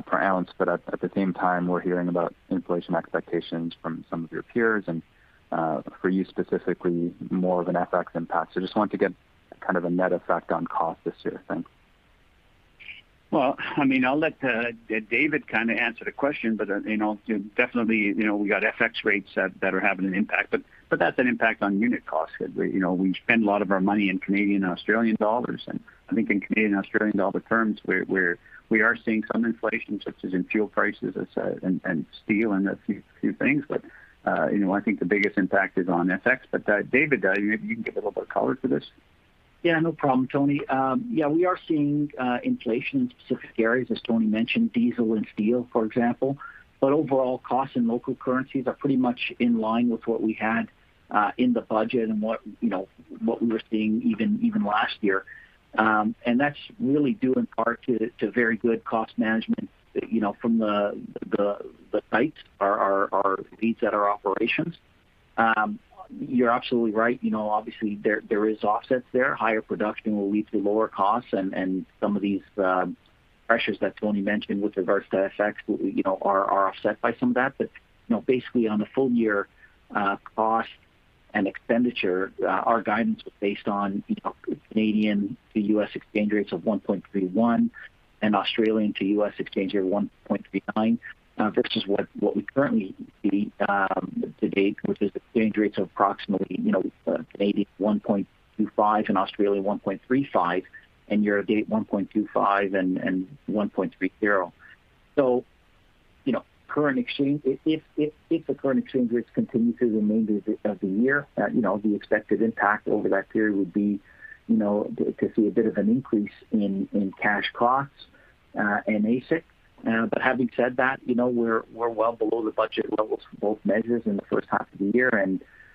per ounce. At the same time, we're hearing about inflation expectations from some of your peers and, for you specifically, more of an FX impact. Just wanted to get kind of a net effect on cost this year. Thanks. Well, I'll let David answer the question, definitely, we got FX rates that are having an impact, but that's an impact on unit costs because we spend a lot of our money in Canadian and Australian dollars, and I think in Canadian and Australian dollar terms, we are seeing some inflation, such as in fuel prices and steel and a few things. I think the biggest impact is on FX. David, maybe you can give a little bit of color to this. Yeah, no problem, Tony. Yeah, we are seeing inflation in specific areas, as Tony mentioned, diesel and steel, for example, but overall costs in local currencies are pretty much in line with what we had in the budget and what we were seeing even last year. That's really due in part to very good cost management from the sites, our fleets at our operations. You're absolutely right, obviously there is offsets there. Higher production will lead to lower costs and some of these pressures that Tony mentioned with regards to FX are offset by some of that. Basically on the full year cost and expenditure, our guidance was based on Canadian to U.S. exchange rates of 1.31 and Australian to U.S. exchange rate of 1.39 versus what we currently see to date, which is exchange rates of approximately, Canadian 1.25 and Australian 1.35 and year-to-date 1.25 and 1.30. If the current exchange rates continue through the remainder of the year, the expected impact over that period would be to see a bit of an increase in cash costs and AISC. Having said that, we're well below the budget levels for both measures in the first half of the year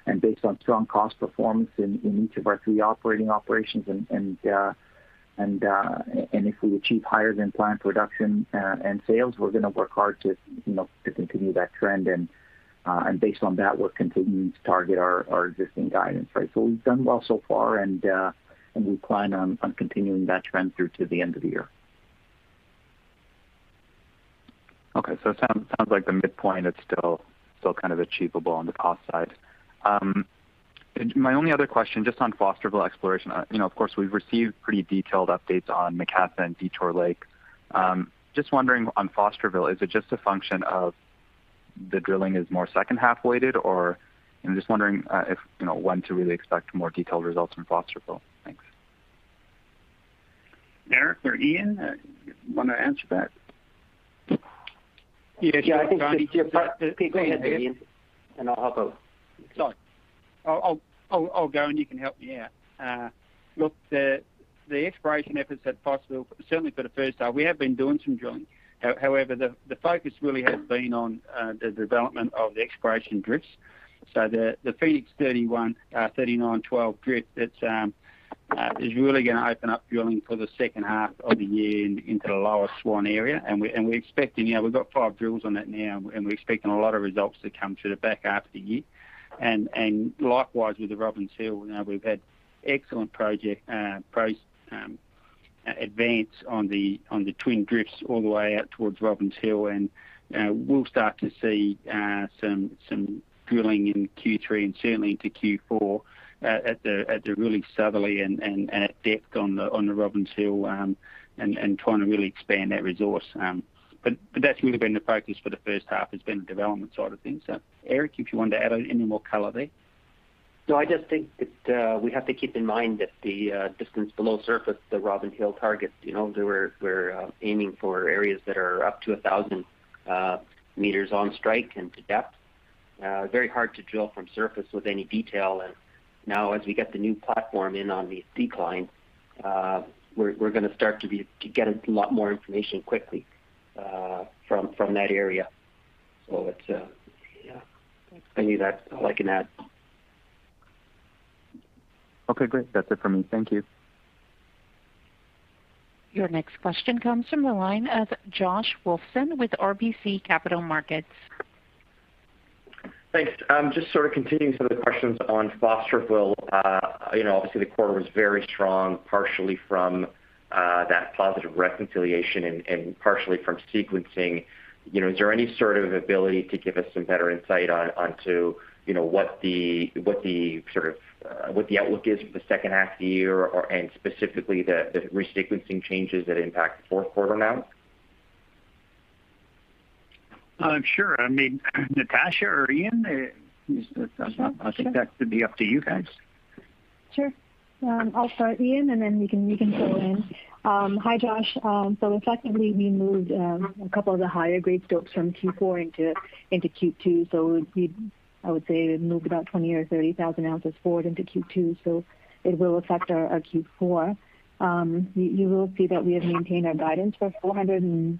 and based on strong cost performance in each of our three operating operations and if we achieve higher than planned production and sales, we're going to work hard to continue that trend and based on that, we're continuing to target our existing guidance. We've done well so far, and we plan on continuing that trend through to the end of the year. It sounds like the midpoint is still kind of achievable on the cost side. My only other question, just on Fosterville exploration, of course, we've received pretty detailed updates on Macassa and Detour Lake. Just wondering on Fosterville, is it just a function of the drilling is more second half weighted, or I'm just wondering when to really expect more detailed results from Fosterville. Thanks. Eric or Ian, want to answer that? Yeah, I think, go ahead Ian, and I'll hop out. Sorry. I'll go, and you can help me out. Look, the exploration efforts at Fosterville, certainly for the first half, we have been doing some drilling. However, the focus really has been on the development of the exploration drifts. The Phoenix 3912 drift is really going to open up drilling for the second half of the year into the lower Swan area, and we're expecting, we've got five drills on that now, and we're expecting a lot of results to come through the back half of the year. Likewise with the Robins Hill, we've had excellent project advance on the twin drifts all the way out towards Robins Hill and we'll start to see some drilling in Q3 and certainly into Q4 at the really southerly and at depth on the Robins Hill, trying to really expand that resource. That's really been the focus for the first half, has been the development side of things. Eric, if you want to add any more color there? No, I just think that we have to keep in mind that the distance below surface, the Robins Hill targets, we're aiming for areas that are up to 1,000 m on strike and to depth. Very hard to drill from surface with any detail. Now as we get the new platform in on the decline, we're going to start to get a lot more information quickly from that area. It's, yeah. I knew that. I like an ad. Okay, great. That is it for me. Thank you. Your next question comes from the line of Josh Wolfson with RBC Capital Markets. Thanks. Just sort of continuing some of the questions on Fosterville. Obviously, the quarter was very strong, partially from that positive reconciliation and partially from sequencing. Is there any sort of ability to give us some better insight onto what the outlook is for the second half of the year or, specifically the re-sequencing changes that impact the fourth quarter now? Sure. I mean, Natasha or Ian, I think that should be up to you guys. Sure. I'll start Ian, then you can fill in. Hi Josh. Effectively we moved a couple of the higher grade stopes from Q4 into Q2. We'd, I would say, moved about 20,000 oz or 30,000 oz forward into Q2, it will affect our Q4. You will see that we have maintained our guidance for 400,000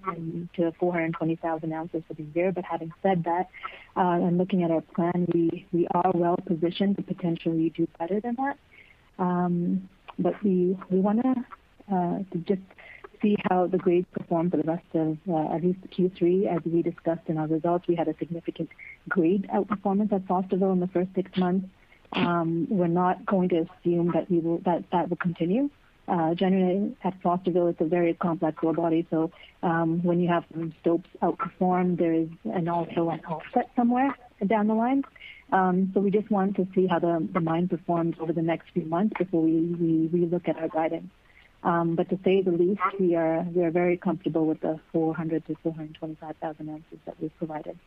oz-420,000 oz for the year. Having said that, looking at our plan, we are well positioned to potentially do better than that. We want to just see how the grades perform for the rest of, at least Q3, as we discussed in our results. We had a significant grade outperformance at Fosterville in the first six months. We're not going to assume that will continue. Generally, at Fosterville, it's a very complex ore body, so, when you have some stopes outperform, there is an offset somewhere down the line. We just want to see how the mine performs over the next few months before we re-look at our guidance. To say the least, we are very comfortable with the 400,000 oz-425,000 oz that we've provided.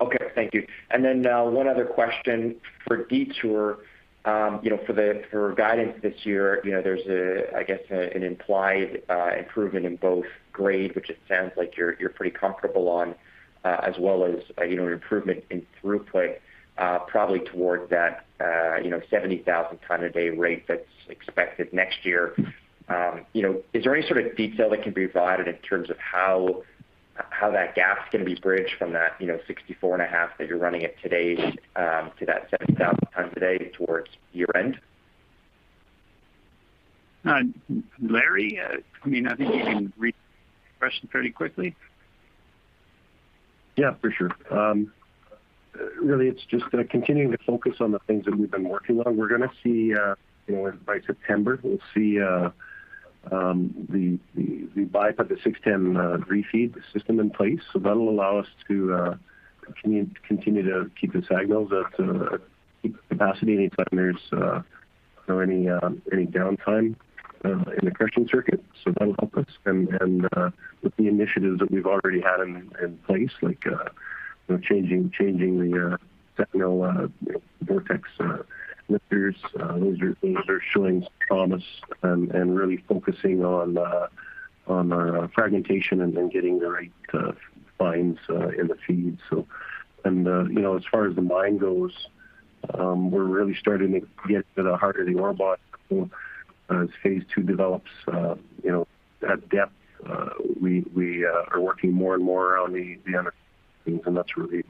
Okay. Thank you. One other question for Detour. For guidance this year, there's, I guess, an implied improvement in both grade, which it sounds like you're pretty comfortable on, as well as an improvement in throughput, probably towards that 70,000 ton a day rate that's expected next year. Is there any sort of detail that can be provided in terms of how that gap's going to be bridged from that 64.5 that you're running at today to that 70,000 ton a day towards year end? Larry? I think you can read the question pretty quickly. Yeah, for sure. Really it's just continuing to focus on the things that we've been working on. We're going to see by September, we'll see the bypass of 610 refeed system in place. That'll allow us to continue to keep the SAG mills at peak capacity anytime there's any downtime in the crushing circuit. That'll help us and with the initiatives that we've already had in place, like changing the SAG mill vortex lifters. Those are showing promise and really focusing on fragmentation and then getting the right fines in the feed. As far as the mine goes, we're really starting to get to the heart of the ore body as phase 2 develops. At depth, we are working more and more on the other things, and that's really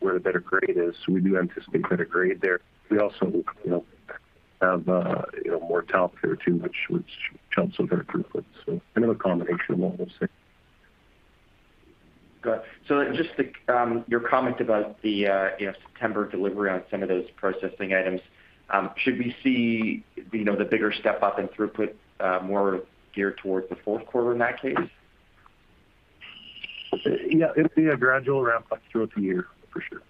where the better grade is. We do anticipate better grade there. We also have more top here too, which helps with our throughput. Another combination of what we'll see. Got it. Just your comment about the September delivery on some of those processing items, should we see the bigger step up in throughput, more geared towards the fourth quarter in that case? Yeah, it'll be a gradual ramp up throughout the year for sure.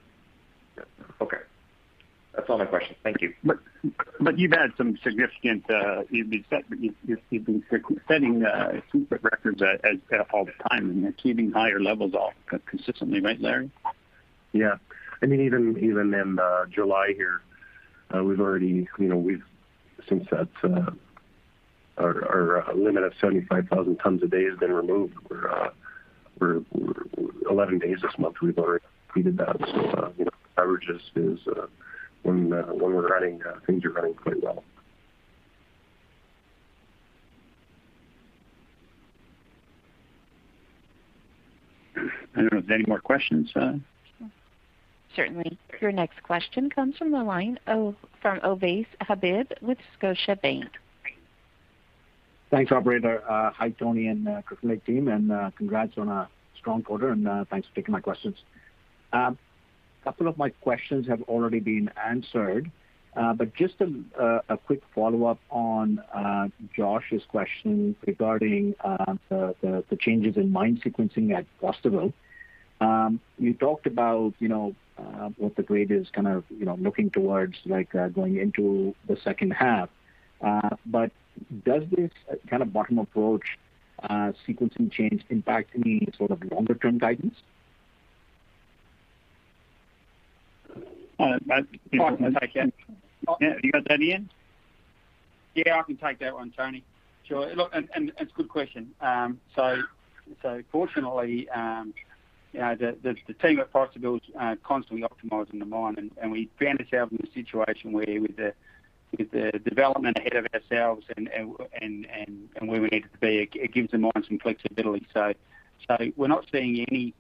Okay. That's all my questions. Thank you. You've had some significant, you've been setting throughput records at all the time and keeping higher levels off consistently, right, Larry? Yeah. Even in July here, we've already, since that our limit of 75,000 tons a day has been removed for 11 days this month, we've already exceeded that. Averages is when we're running, things are running quite well. I don't know if there are any more questions. Certainly. Your next question comes from the line of Ovais Habib with Scotiabank. Thanks, operator. Hi, Tony and Kirkland Lake team, and congrats on a strong quarter and thanks for taking my questions. A couple of my questions have already been answered. Just a quick follow-up on Josh's question regarding the changes in mine sequencing at Fosterville. You talked about what the grade is kind of looking towards like going into the second half. Does this kind of bottom approach sequencing change impact any sort of longer-term guidance? I can take that. You got that, Ian? Yeah, I can take that one, Tony. Sure. Look, it's a good question. Fortunately, the team at Fosterville is constantly optimizing the mine, and we found ourselves in a situation where with the development ahead of ourselves and where we needed to be, it gives the mine some flexibility. We're not seeing any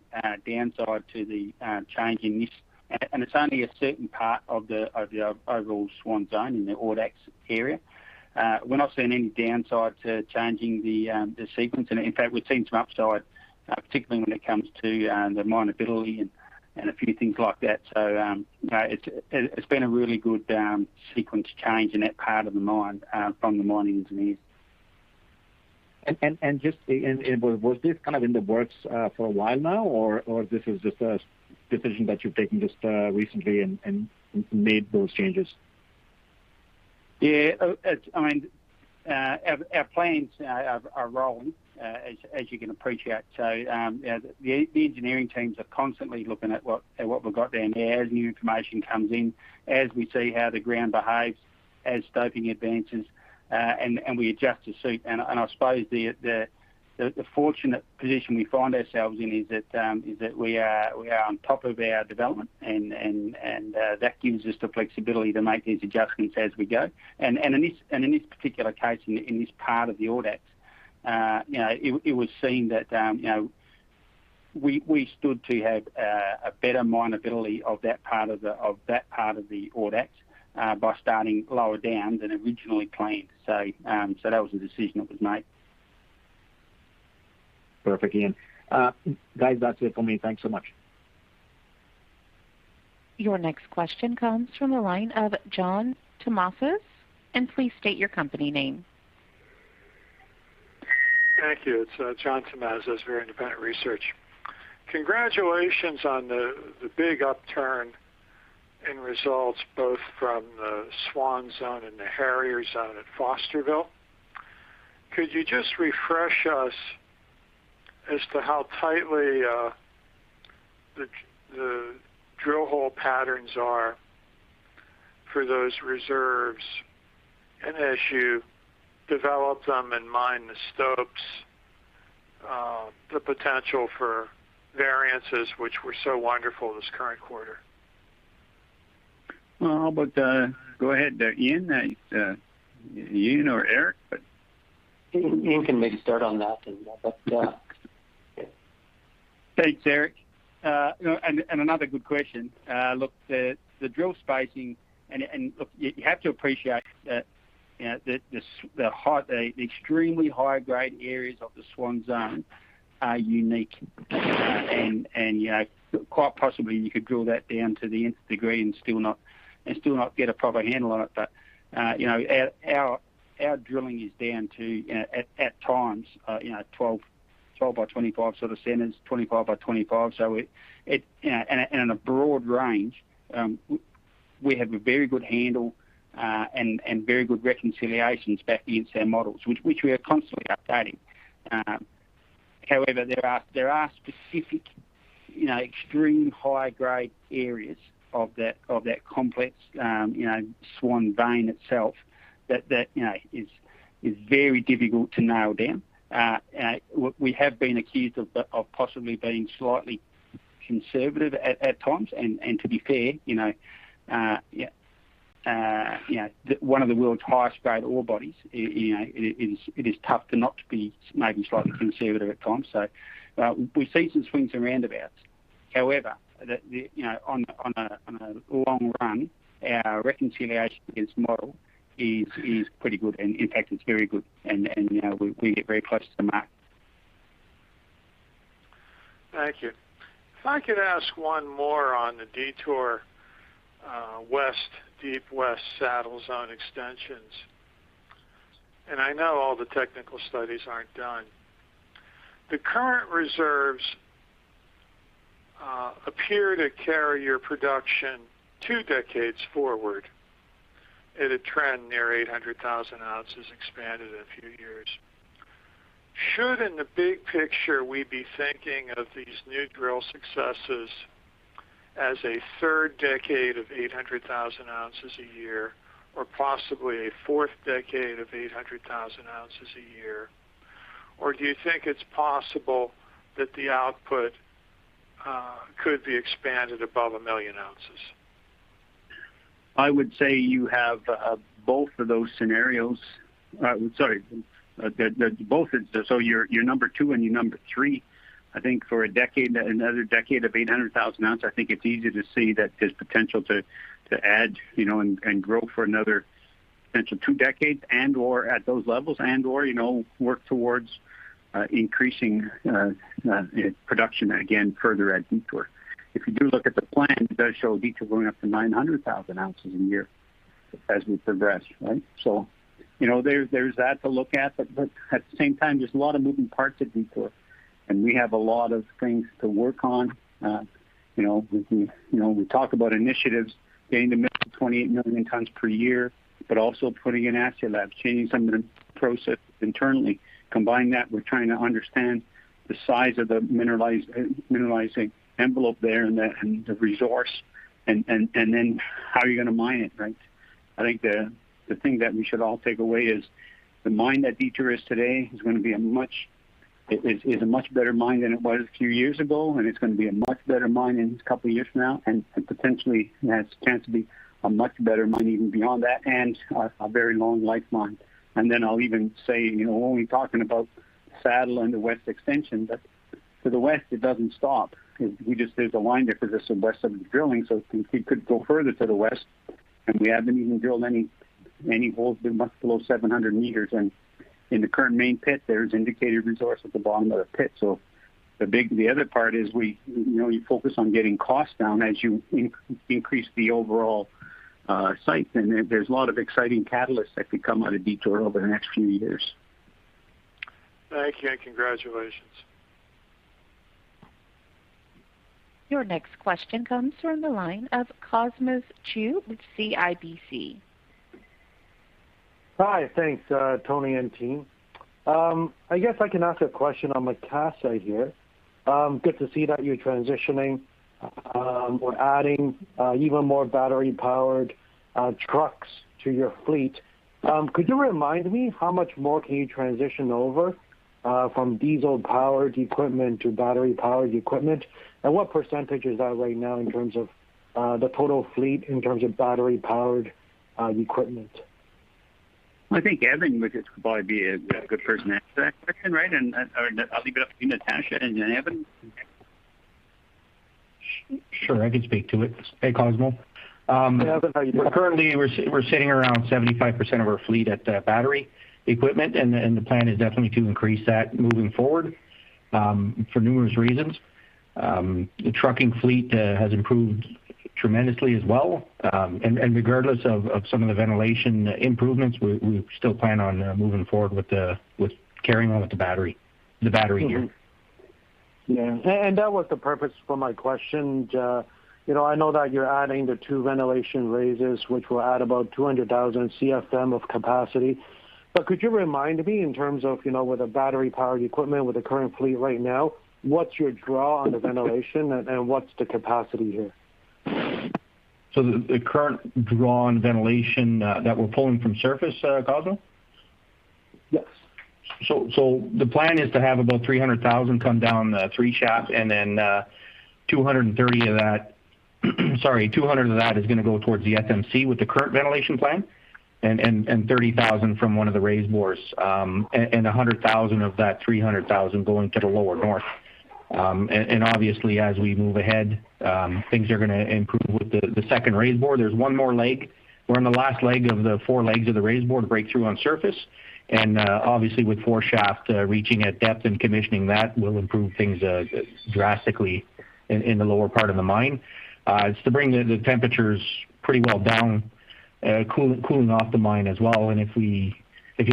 downside to the change in this. It's only a certain part of the overall Swan Zone in the Audax area. We're not seeing any downside to changing the sequence. In fact, we're seeing some upside, particularly when it comes to the mine ability and a few things like that. It's been a really good sequence change in that part of the mine from the mining engineers. Was this in the works for a while now, or this is just a decision that you've taken just recently and made those changes? Yeah. Our plans are rolling, as you can appreciate. The engineering teams are constantly looking at what we've got down here as new information comes in, as we see how the ground behaves, as stoping advances, and we adjust to suit. I suppose the fortunate position we find ourselves in is that we are on top of our development, and that gives us the flexibility to make these adjustments as we go. In this particular case, in this part of the Audax, it was seen that we stood to have a better mineability of that part of the Audax by starting lower down than originally planned. That was the decision that was made. Perfect, Ian. Guys, that's it for me. Thanks so much. Your next question comes from the line of John Tumazos. Please state your company name. Thank you. It's John Tumazos, Very Independent Research. Congratulations on the big upturn in results, both from the Swan Zone and the Harrier Zone at Fosterville. Could you just refresh us as to how tightly the drill hole patterns are for those reserves, and as you develop them and mine the stopes, the potential for variances which were so wonderful this current quarter? How about go ahead, Ian. Ian or Eric? Ian can maybe start on that and wrap up. Thanks, Eric. Another good question. Look, the drill spacing. Look, you have to appreciate that the extremely high-grade areas of the Swan Zone are unique. Quite possibly, you could drill that down to the nth degree and still not get a proper handle on it. Our drilling is down to, at times, 12 by 25 sort of centers, 25 by 25. In a broad range, we have a very good handle, and very good reconciliations back into our models, which we are constantly updating. However, there are specific extreme high-grade areas of that complex Swan vein itself that is very difficult to nail down. We have been accused of possibly being slightly conservative at times. To be fair, one of the world's highest grade ore bodies, it is tough to not be maybe slightly conservative at times. We see some swings and roundabouts. However, on a long run, our reconciliation against model is pretty good. In fact, it's very good, and we get very close to the mark. Thank you. If I could ask one more on the Detour deep West Saddle Zone extensions. I know all the technical studies aren't done. The current reserves appear to carry your production two decades forward at a trend near 800,000 oz expanded a few years. Should, in the big picture, we be thinking of these new drill successes as a third decade of 800,000 oz a year, or possibly a fourth decade of 800,000 oz a year? Do you think it's possible that the output could be expanded above 1 million ounces? I would say you have both of those scenarios. Sorry. Your number two and your number three, I think for another decade of 800,000 oz, I think it's easy to see that there's potential to add and grow for another potential two decades and/or at those levels and/or work towards increasing production again further at Detour. If you do look at the plan, it does show Detour going up to 900,000 oz a year as we progress, right? There's that to look at. At the same time, there's a lot of moving parts at Detour, and we have a lot of things to work on. We talk about initiatives getting to mill 28 million tons per year, but also putting in assay labs, changing some of the processes internally. Combine that, we're trying to understand the size of the mineralizing envelope there and the resource, and then how are you going to mine it, right? I think the thing that we should all take away is the mine that Detour Lake is today is a much better mine than it was a few years ago, and it's going to be a much better mine in a couple of years from now, and potentially has a chance to be a much better mine even beyond that, and a very long life mine. I'll even say, when we're talking about Saddle and the West Extension, that to the west, it doesn't stop. There's a line difference of west of the drilling, so we could go further to the west, and we haven't even drilled any holes much below 700 m. In the current main pit, there's indicated resource at the bottom of the pit. The other part is you focus on getting costs down as you increase the overall site. There's a lot of exciting catalysts that could come out of Detour over the next few years. Thank you, and congratulations. Your next question comes from the line of Cosmos Chiu with CIBC. Hi. Thanks, Tony and team. I guess I can ask a question on the cash side here. Good to see that you're transitioning or adding even more battery-powered trucks to your fleet. Could you remind me how much more can you transition over from diesel-powered equipment to battery-powered equipment? What percentage is that right now in terms of the total fleet in terms of battery-powered equipment? I think Evan would just probably be a good person to answer that question, right? I'll leave it up to you, Natasha, and then Evan. Sure, I can speak to it. Hey, Cosmo. Hey, Evan. How you doing? Currently, we're sitting around 75% of our fleet at battery equipment, the plan is definitely to increase that moving forward for numerous reasons. The trucking fleet has improved tremendously as well. Regardless of some of the ventilation improvements, we still plan on moving forward with carrying on with the battery gear. Yeah. That was the purpose for my question, I know that you're adding the two ventilation raises, which will add about 200,000 CFM of capacity. Could you remind me in terms of, with the battery-powered equipment, with the current fleet right now, what's your draw on the ventilation and what's the capacity here? The current draw on ventilation that we're pulling from surface, Cosmo? Yes. The plan is to have about 300,000 come down 3 Shaft, and then 200 of that is going to go towards the SMC with the current ventilation plan, and 30,000 from one of the raise bores, and 100,000 of that 300,000 going to the lower north. Obviously as we move ahead, things are going to improve with the second raise bore. There's one more leg. We're on the last leg of the four legs of the raise bore to break through on surface. Obviously with 4 Shaft reaching at depth and commissioning, that will improve things drastically in the lower part of the mine. It's to bring the temperatures pretty well down, cooling off the mine as well. If you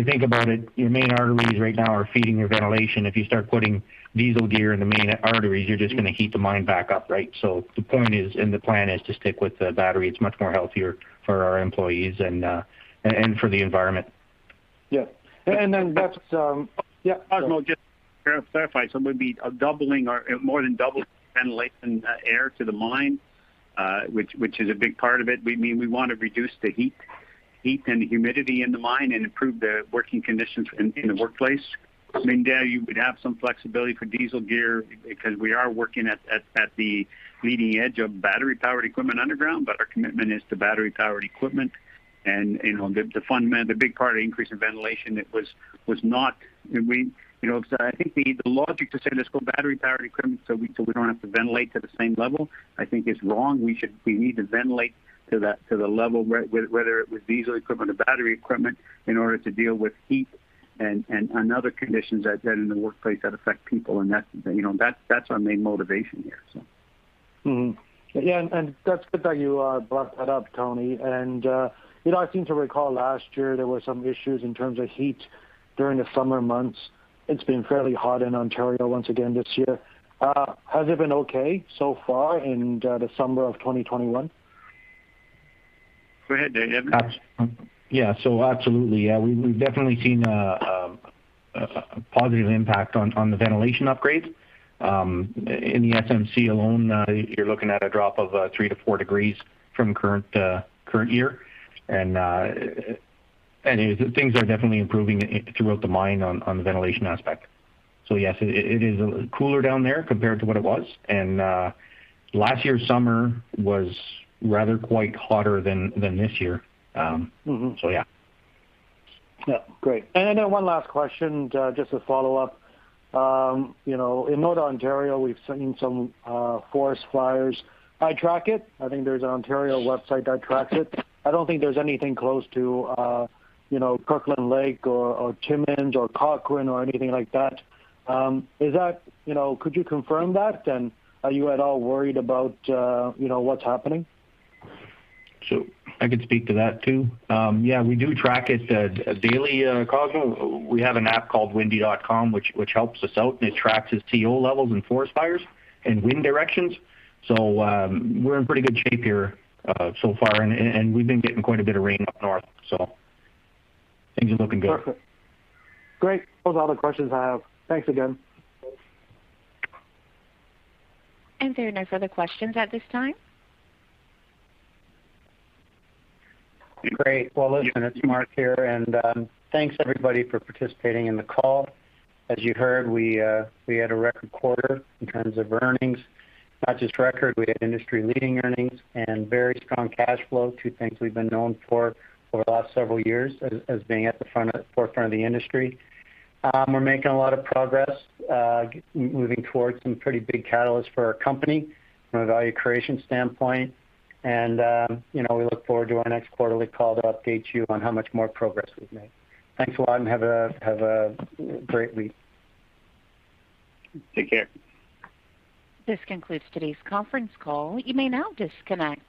think about it, your main arteries right now are feeding your ventilation. If you start putting diesel gear in the main arteries, you're just going to heat the mine back up, right? The point is, and the plan is to stick with the battery. It's much more healthier for our employees and for the environment. Yeah. Cosmos, just to clarify, it would be more than double ventilation air to the mine, which is a big part of it. We want to reduce the heat and humidity in the mine and improve the working conditions in the workplace. You would have some flexibility for diesel gear because we are working at the leading edge of battery-powered equipment underground, but our commitment is to battery-powered equipment. The big part of the increase in ventilation, I think the logic to say let's go battery-powered equipment so we don't have to ventilate to the same level, I think is wrong. We need to ventilate to the level, whether with diesel equipment or battery equipment, in order to deal with heat and other conditions that are in the workplace that affect people, and that's our main motivation here. Yeah, and that's good that you brought that up, Tony. I seem to recall last year there were some issues in terms of heat during the summer months. It's been fairly hot in Ontario once again this year. Has it been okay so far in the summer of 2021? Go ahead, Evan. Absolutely. We've definitely seen a positive impact on the ventilation upgrades. In the SMC alone, you're looking at a drop of 3-4 degrees from current year. Things are definitely improving throughout the mine on the ventilation aspect. Yes, it is cooler down there compared to what it was, and last year's summer was rather quite hotter than this year. Yeah. Great. One last question, just to follow up. In Northern Ontario, we've seen some forest fires. I track it. I think there's an Ontario website that tracks it. I don't think there's anything close to Kirkland Lake or Timmins or Cochrane or anything like that. Could you confirm that, and are you at all worried about what's happening? I could speak to that, too. Yeah, we do track it daily, Cosmo. We have an app called windy.com, which helps us out, and it tracks the CO levels and forest fires and wind directions. We're in pretty good shape here so far, and we've been getting quite a bit of rain up north, so things are looking good. Perfect. Great. Those are all the questions I have. Thanks again. There are no further questions at this time. Great. Well, listen, it's Mark here, thanks everybody for participating in the call. As you heard, we had a record quarter in terms of earnings. Not just record, we had industry-leading earnings and very strong cash flow, two things we've been known for the last several years as being at the forefront of the industry. We're making a lot of progress, moving towards some pretty big catalysts for our company from a value creation standpoint. We look forward to our next quarterly call to update you on how much more progress we've made. Thanks a lot and have a great week. Take care. This concludes today's conference call. You may now disconnect.